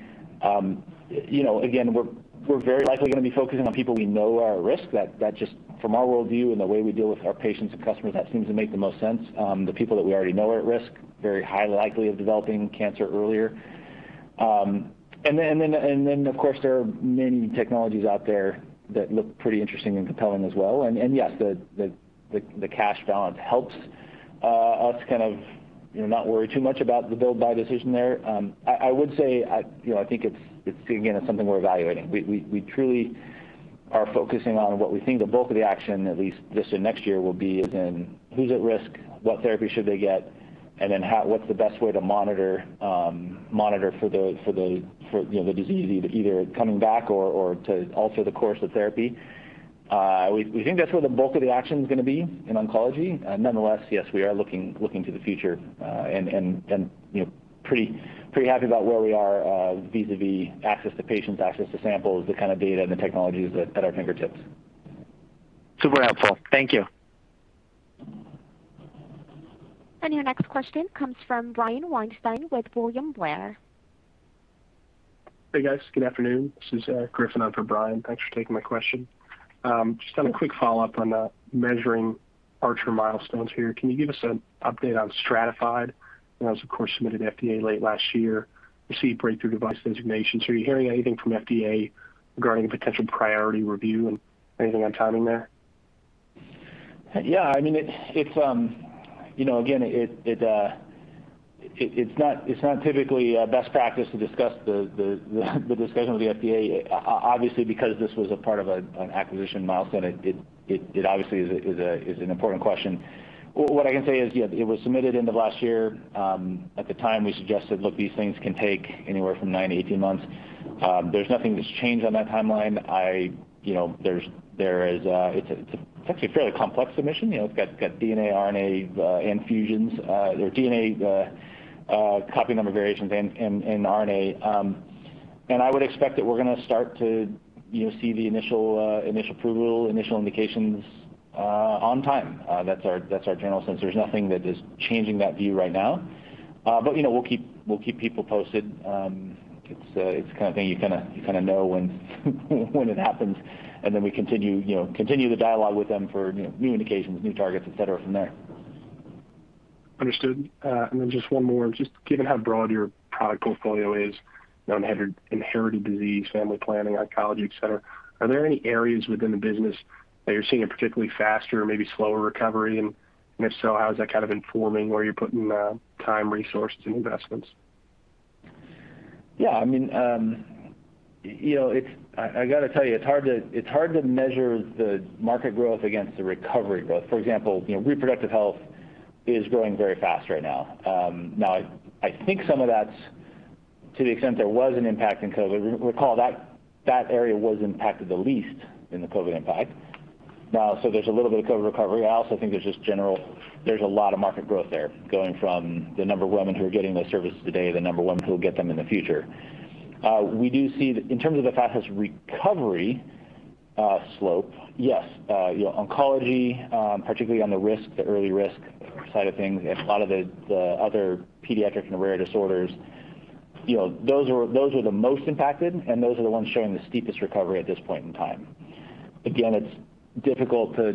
C: We're very likely going to be focusing on people we know are at risk. That just, from our worldview and the way we deal with our patients and customers, that seems to make the most sense. The people that we already know are at risk, very highly likely of developing cancer earlier. Of course, there are many technologies out there that look pretty interesting and compelling as well. Yes, the cash balance helps us kind of not worry too much about the build-buy decision there. I would say I think it's, again, something we're evaluating. We truly are focusing on what we think the bulk of the action, at least this and next year, will be is in who's at risk, what therapy should they get, and then what's the best way to monitor for the disease, either coming back or to alter the course of therapy. We think that's where the bulk of the action is going to be in oncology. Yes, we are looking to the future and pretty happy about where we are vis-à-vis access to patients, access to samples, the kind of data, and the technologies at our fingertips.
H: Super helpful. Thank you.
A: Your next question comes from Brian Weinstein with William Blair.
I: Hey, guys. Good afternoon. This is Griffin on for Brian. Thanks for taking my question. Just kind of quick follow-up on measuring ArcherDX milestones here. Can you give us an update on Stratafide? That was, of course, submitted to FDA late last year. Received Breakthrough Device designations. Are you hearing anything from FDA regarding a potential priority review? Anything on timing there?
C: Yeah, I mean, again, it's not typically best practice to discuss the discussion with the FDA. Obviously, because this was a part of an acquisition milestone, it obviously is an important question. What I can say is, yeah, it was submitted end of last year. At the time, we suggested, "Look, these things can take anywhere from 9 to 18 months." There's nothing that's changed on that timeline. It's actually a fairly complex submission. It's got DNA, RNA, and fusions or DNA copy number variations and RNA. I would expect that we're going to start to see the initial approval, initial indications on time. That's our general sense. There's nothing that is changing that view right now. We'll keep people posted. It's the kind of thing you kind of know when it happens, and then we continue the dialogue with them for new indications, new targets, etc., from there.
I: Understood. Just one more. Just given how broad your product portfolio is, known inherited disease, family planning, oncology, etc., are there any areas within the business that you're seeing a particularly faster or maybe slower recovery? If so, how is that kind of informing where you're putting time, resources, and investments?
C: Yeah, I mean, I got to tell you, it's hard to measure the market growth against the recovery growth. For example, reproductive health is growing very fast right now. Now, I think some of that's to the extent there was an impact in COVID. Recall, that area was impacted the least in the COVID impact. Now, there's a little bit of COVID recovery. I also think there's just a lot of market growth there, going from the number of women who are getting those services today to the number of women who will get them in the future. We do see in terms of the fastest recovery slope, yes, oncology, particularly on the risk, the early risk side of things, and a lot of the other pediatric and rare disorders, those were the most impacted, and those are the ones showing the steepest recovery at this point in time. It's difficult to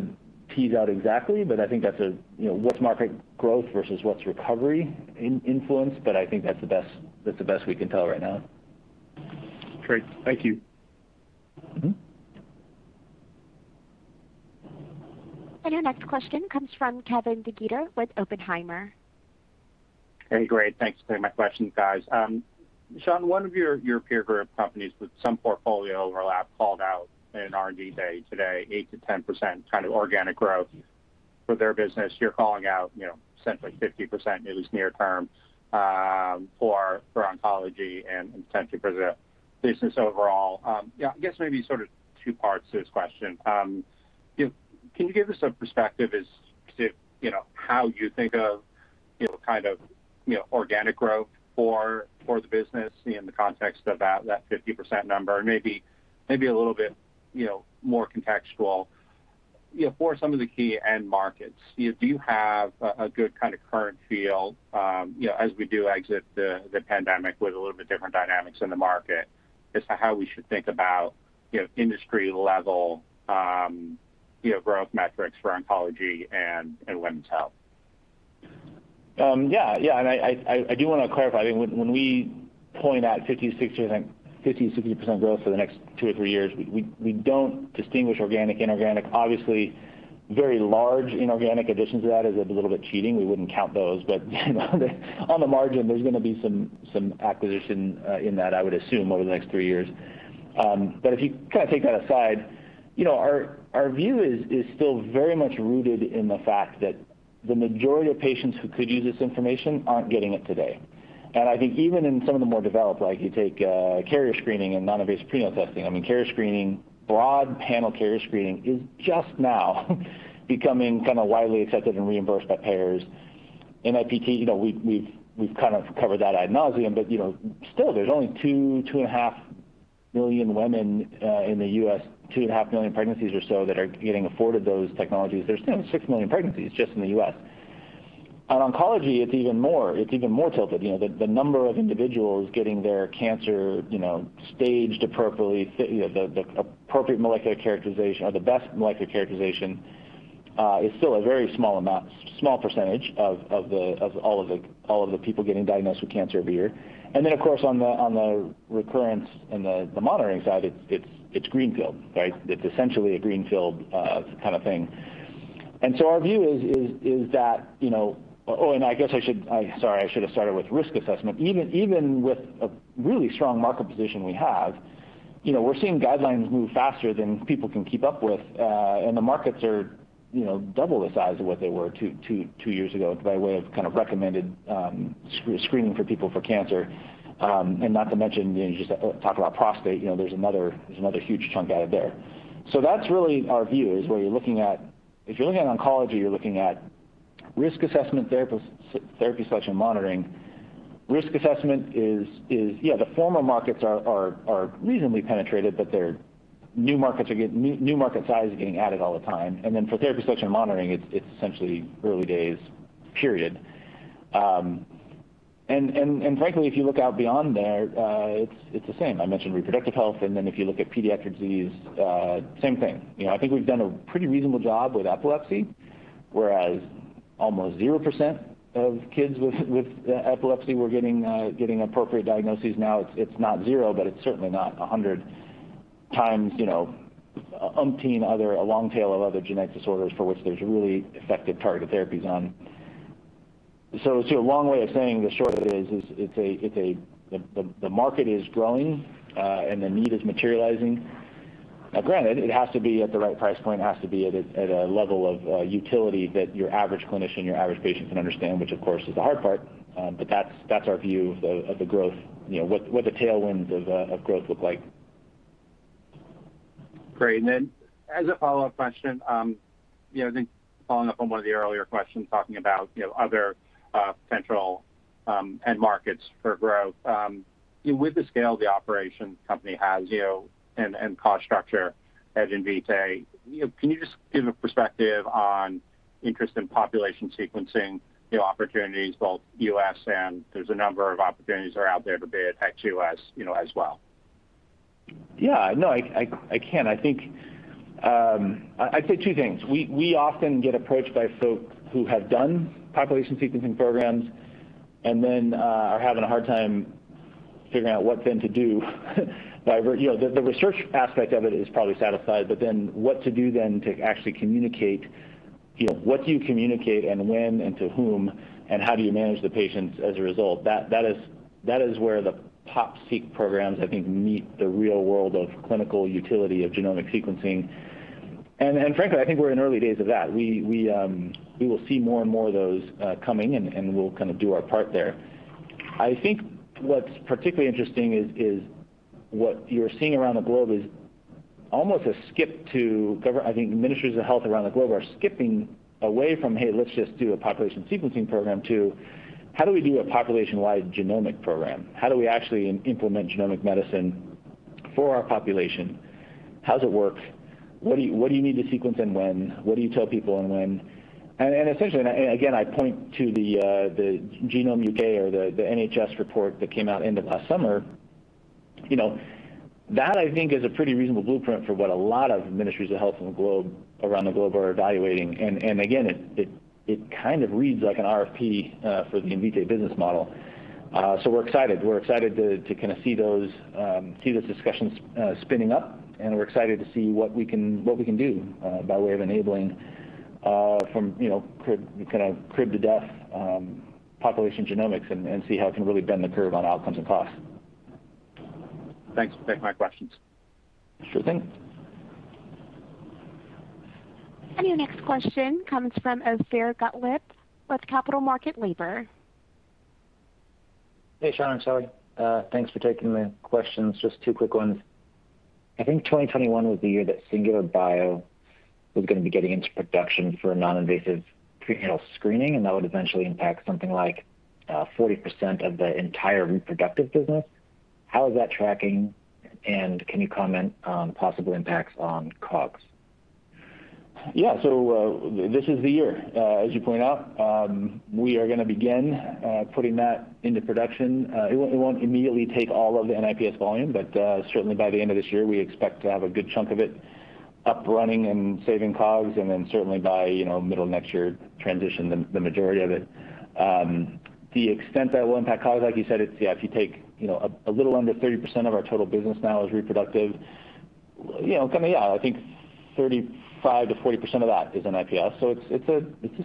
C: tease out exactly, but I think that's a what's market growth versus what's recovery influence, but I think that's the best we can tell right now.
I: Great. Thank you.
A: Your next question comes from Kevin DeGeeter with Oppenheimer.
J: Great. Thanks for taking my questions, guys. Sean, one of your peer group companies with some portfolio overlap called out an R&D day today, 8%-10% kind of organic growth for their business. You're calling out essentially 50%, at least near term, for oncology and potentially for the business overall. I guess maybe sort of two parts to this question. Can you give us a perspective as to how you think of kind of organic growth for the business in the context of that 50% number and maybe a little bit more contextual for some of the key end markets? Do you have a good kind of current feel as we do exit the pandemic with a little bit different dynamics in the market as to how we should think about industry-level growth metrics for oncology and women's health?
C: Yeah, yeah. I do want to clarify. I mean, when we point at 50%-60% growth for the next two or three years, we don't distinguish organic, inorganic. Obviously, very large inorganic additions to that is a little bit cheating. We wouldn't count those. On the margin, there's going to be some acquisition in that, I would assume, over the next three years. If you kind of take that aside, our view is still very much rooted in the fact that the majority of patients who could use this information aren't getting it today. I think even in some of the more developed, like you take carrier screening and non-invasive prenatal testing, I mean, carrier screening, broad panel carrier screening is just now becoming kind of widely accepted and reimbursed by payers. NIPT, we've kind of covered that ad nauseam. Still, there's only 2.5 million women in the U.S., 2.5 million pregnancies or so that are getting afforded those technologies. There's still 6 million pregnancies just in the U.S. On oncology, it's even more. It's even more tilted. The number of individuals getting their cancer staged appropriately, the appropriate molecular characterization or the best molecular characterization is still a very small amount, small percentage of all of the people getting diagnosed with cancer every year. Of course, on the recurrence and the monitoring side, it's greenfield, right? It's essentially a greenfield kind of thing. Our view is that I guess I should have started with risk assessment. Even with a really strong market position we have, we're seeing guidelines move faster than people can keep up with. The markets are double the size of what they were two years ago by way of kind of recommended screening for people for cancer. Not to mention, you just talk about prostate. There's another huge chunk added there. That's really our view, is where you're looking at if you're looking at oncology, you're looking at risk assessment, therapy selection, and monitoring. Risk assessment is yeah, the former markets are reasonably penetrated, but new market size is getting added all the time. For therapy selection and monitoring, it's essentially early days, period. Frankly, if you look out beyond there, it's the same. I mentioned reproductive health. If you look at pediatric disease, same thing. I think we've done a pretty reasonable job with epilepsy, whereas almost 0% of kids with epilepsy were getting appropriate diagnoses. Now, it's not zero, but it's certainly not 100 times umpteen other a long tail of other genetic disorders for which there's really effective targeted therapies on. It's a long way of saying the short of it is the market is growing, and the need is materializing. Now, granted, it has to be at the right price point. It has to be at a level of utility that your average clinician, your average patient can understand, which, of course, is the hard part. That's our view of the growth, what the tailwinds of growth look like.
J: Great. As a follow-up question, I think following up on one of the earlier questions, talking about other potential end markets for growth, with the scale the operation company has and cost structure at Invitae, can you just give a perspective on interest in population sequencing opportunities, both U.S. and there's a number of opportunities that are out there to be at ex-U.S. as well?
C: Yeah. No, I can. I'd say two things. We often get approached by folks who have done pop-seq programs and then are having a hard time figuring out what then to do. The research aspect of it is probably satisfied, but then what to do then to actually communicate? What do you communicate, and when, and to whom, and how do you manage the patients as a result? That is where the pop-seq programs, I think, meet the real world of clinical utility of genomic sequencing. Frankly, I think we're in early days of that. We will see more and more of those coming, and we'll kind of do our part there. I think what's particularly interesting is what you're seeing around the globe is almost a skip to I think ministries of health around the globe are skipping away from, "Hey, let's just do a population sequencing program," to, "How do we do a population-wide genomic program? How do we actually implement genomic medicine for our population? How does it work? What do you need to sequence and when? What do you tell people and when?" Essentially, again, I point to the Genome UK or the NHS report that came out end of last summer. That, I think, is a pretty reasonable blueprint for what a lot of ministries of health around the globe are evaluating. Again, it kind of reads like an RFP for the Invitae business model. We're excited. We're excited to kind of see this discussion spinning up. We're excited to see what we can do by way of enabling from kind of crib to death population genomics and see how it can really bend the curve on outcomes and costs.
J: Thanks. Thanks for my questions.
C: Sure thing.
A: Your next question comes from Ophir Gottlieb with Capital Market Laboratories.
K: Hey, Sean. Hey, Shelly. Thanks for taking my questions. Just two quick ones. I think 2021 was the year that Singular Bio was going to be getting into production for non-invasive prenatal screening, that would eventually impact something like 40% of the entire reproductive business. How is that tracking, and can you comment on possible impacts on COGS?
C: Yeah. This is the year, as you point out. We are going to begin putting that into production. It won't immediately take all of the NIPS volume, but certainly, by the end of this year, we expect to have a good chunk of it uprunning and saving COGS, and then certainly, by middle of next year, transition the majority of it. The extent that it will impact COGS, like you said, it's yeah, if you take a little under 30% of our total business now is reproductive, kind of yeah, I think 35%-40% of that is NIPS. It's a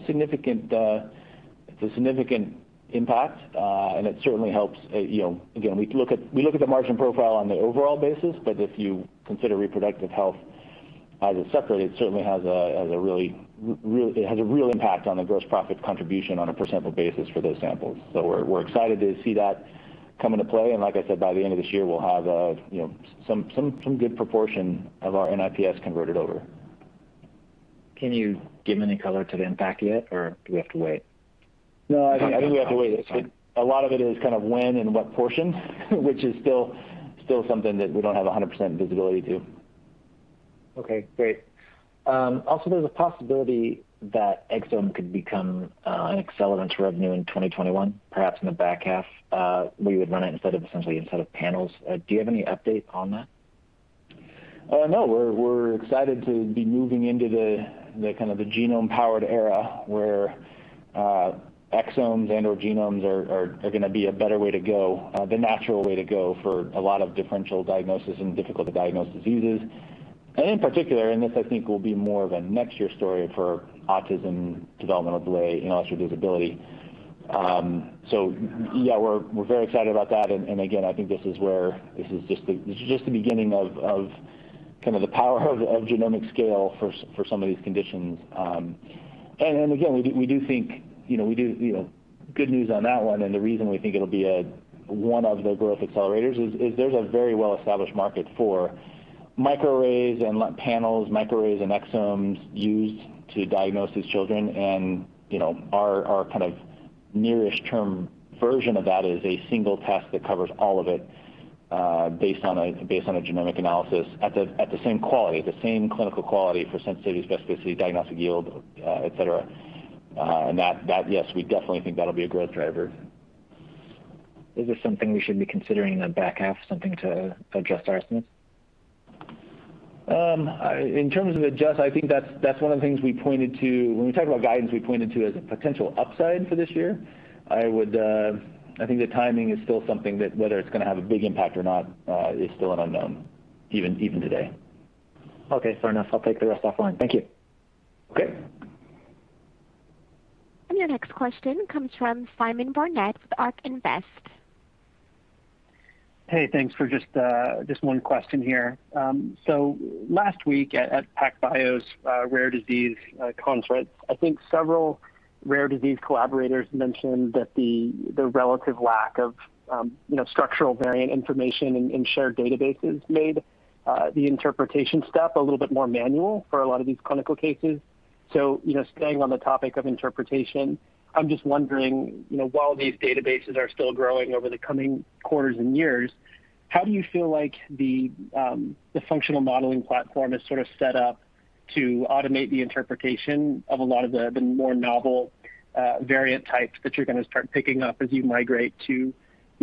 C: significant impact, and it certainly helps. We look at the margin profile on the overall basis. If you consider reproductive health as a separate, it certainly has a real impact on the gross profit contribution on a percentage basis for those samples. We're excited to see that coming to play. Like I said, by the end of this year, we'll have some good proportion of our NIPS converted over.
K: Can you give any color to the impact yet, or do we have to wait?
C: No, I think we have to wait. A lot of it is kind of when and what portion, which is still something that we don't have 100% visibility to.
K: Okay. Great. There's a possibility that Exome could become an accelerant to revenue in 2021, perhaps in the back half. We would run it essentially instead of panels. Do you have any update on that?
C: We're excited to be moving into kind of the genome-powered era where Exomes and/or genomes are going to be a better way to go, the natural way to go for a lot of differential diagnosis and difficult-to-diagnose diseases. In particular, and this, I think, will be more of a next-year story for autism, developmental delay, intellectual disability. Yeah, we're very excited about that. Again, I think this is where this is just the beginning of kind of the power of genomic scale for some of these conditions. Again, we do think we do good news on that one. The reason we think it'll be one of the growth accelerators is there's a very well-established market for microarrays and panels, microarrays and Exomes used to diagnose these children. Our kind of nearest-term version of that is a single test that covers all of it based on a genomic analysis at the same quality, the same clinical quality for sensitivity, specificity, diagnostic yield, etc. That, yes, we definitely think that'll be a growth driver.
K: Is this something we should be considering in the back half, something to adjust our estimates?
C: In terms of adjust, I think that's one of the things we pointed to when we talked about guidance, we pointed to as a potential upside for this year. I think the timing is still something that whether it's going to have a big impact or not is still an unknown, even today.
K: Okay. Fair enough. I'll take the rest offline. Thank you.
C: Okay.
A: Your next question comes from Simon Barnett with ARK Invest.
L: Hey, thanks for just one question here. Last week at PacBio's rare disease conference, I think several rare disease collaborators mentioned that the relative lack of structural variant information in shared databases made the interpretation step a little bit more manual for a lot of these clinical cases. Staying on the topic of interpretation, I'm just wondering, while these databases are still growing over the coming quarters and years, how do you feel like the functional modeling platform is sort of set up to automate the interpretation of a lot of the more novel variant types that you're going to start picking up as you migrate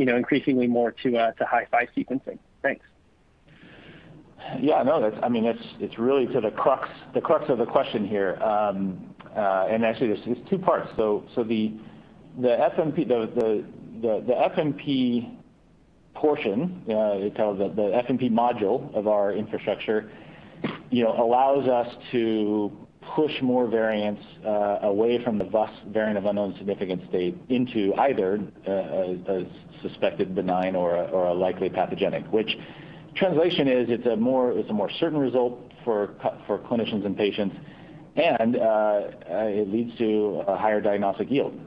L: increasingly more to HiFi sequencing? Thanks.
C: Yeah. No, I mean, it's really to the crux of the question here. Actually, there's two parts. The FMP portion, the FMP module of our infrastructure, allows us to push more variants away from the vast variant of unknown significance state into either a suspected benign or a likely pathogenic, which translation is it's a more certain result for clinicians and patients, and it leads to a higher diagnostic yield.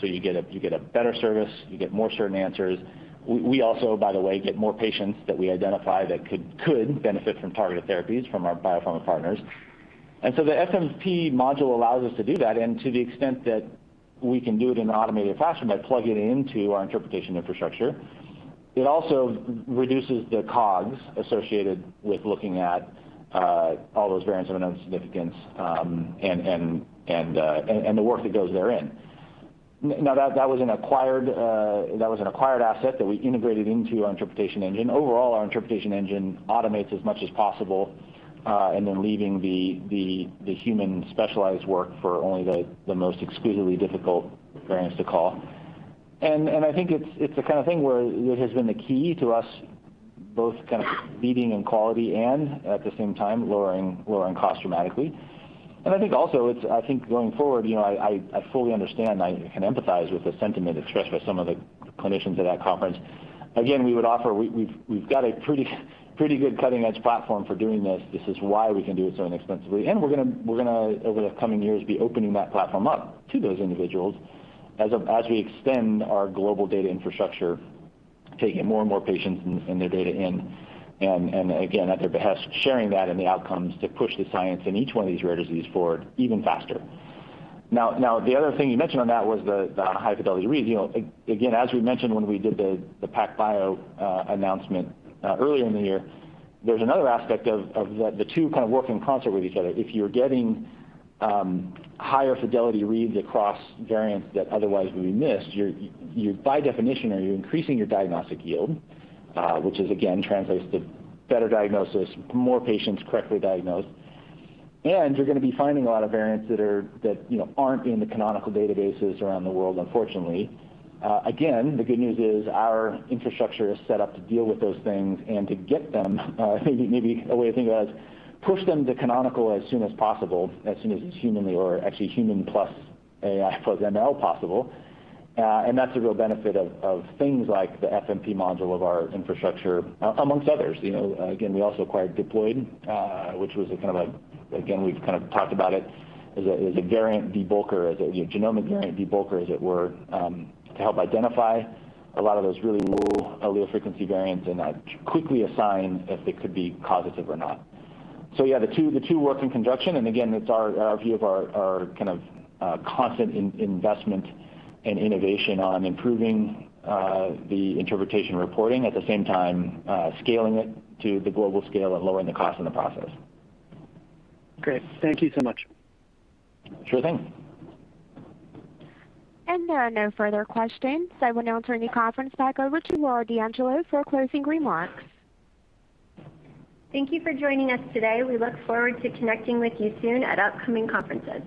C: You get a better service. You get more certain answers. We also, by the way, get more patients that we identify that could benefit from targeted therapies from our biopharma partners. The FMP module allows us to do that. To the extent that we can do it in an automated fashion by plugging it into our interpretation infrastructure, it also reduces the COGS associated with looking at all those variants of unknown significance and the work that goes therein. That was an acquired asset that we integrated into our interpretation engine. Overall, our interpretation engine automates as much as possible, and then leaving the human specialized work for only the most exquisitely difficult variants to call. I think it's the kind of thing where it has been the key to us both kind of beating in quality and, at the same time, lowering cost dramatically. I think also, I think going forward, I fully understand. I can empathize with the sentiment expressed by some of the clinicians at that conference. Again, we would offer we've got a pretty good cutting-edge platform for doing this. This is why we can do it so inexpensively. We're going to, over the coming years, be opening that platform up to those individuals as we extend our global data infrastructure, taking more and more patients and their data in, and again, at their behest, sharing that and the outcomes to push the science in each one of these rare diseases forward even faster. Now, the other thing you mentioned on that was the high-fidelity reads. Again, as we mentioned when we did the PacBio announcement earlier in the year, there's another aspect of the two kind of working in concert with each other. If you're getting higher fidelity reads across variants that otherwise would be missed, by definition, are you increasing your diagnostic yield, which again translates to better diagnosis, more patients correctly diagnosed? You're going to be finding a lot of variants that aren't in the canonical databases around the world, unfortunately. Again, the good news is our infrastructure is set up to deal with those things and to get them. I think maybe a way to think about it is push them to canonical as soon as possible, as soon as it's humanly or actually human plus AI plus ML possible. That's a real benefit of things like the FMP module of our infrastructure, amongst others. We also acquired Diploid, which was a kind of, we've kind of talked about it as a variant debulker, as a genomic variant debulker, as it were, to help identify a lot of those really low allele frequency variants and quickly assign if they could be causative or not. Yeah, the two work in conjunction. Again, it's our view of our kind of constant investment and innovation on improving the interpretation reporting, at the same time scaling it to the global scale and lowering the cost in the process.
L: Great. Thank you so much.
C: Sure thing.
A: There are no further questions. I will now turn the conference back over to Laura D'Angelo for closing remarks.
B: Thank you for joining us today. We look forward to connecting with you soon at upcoming conferences.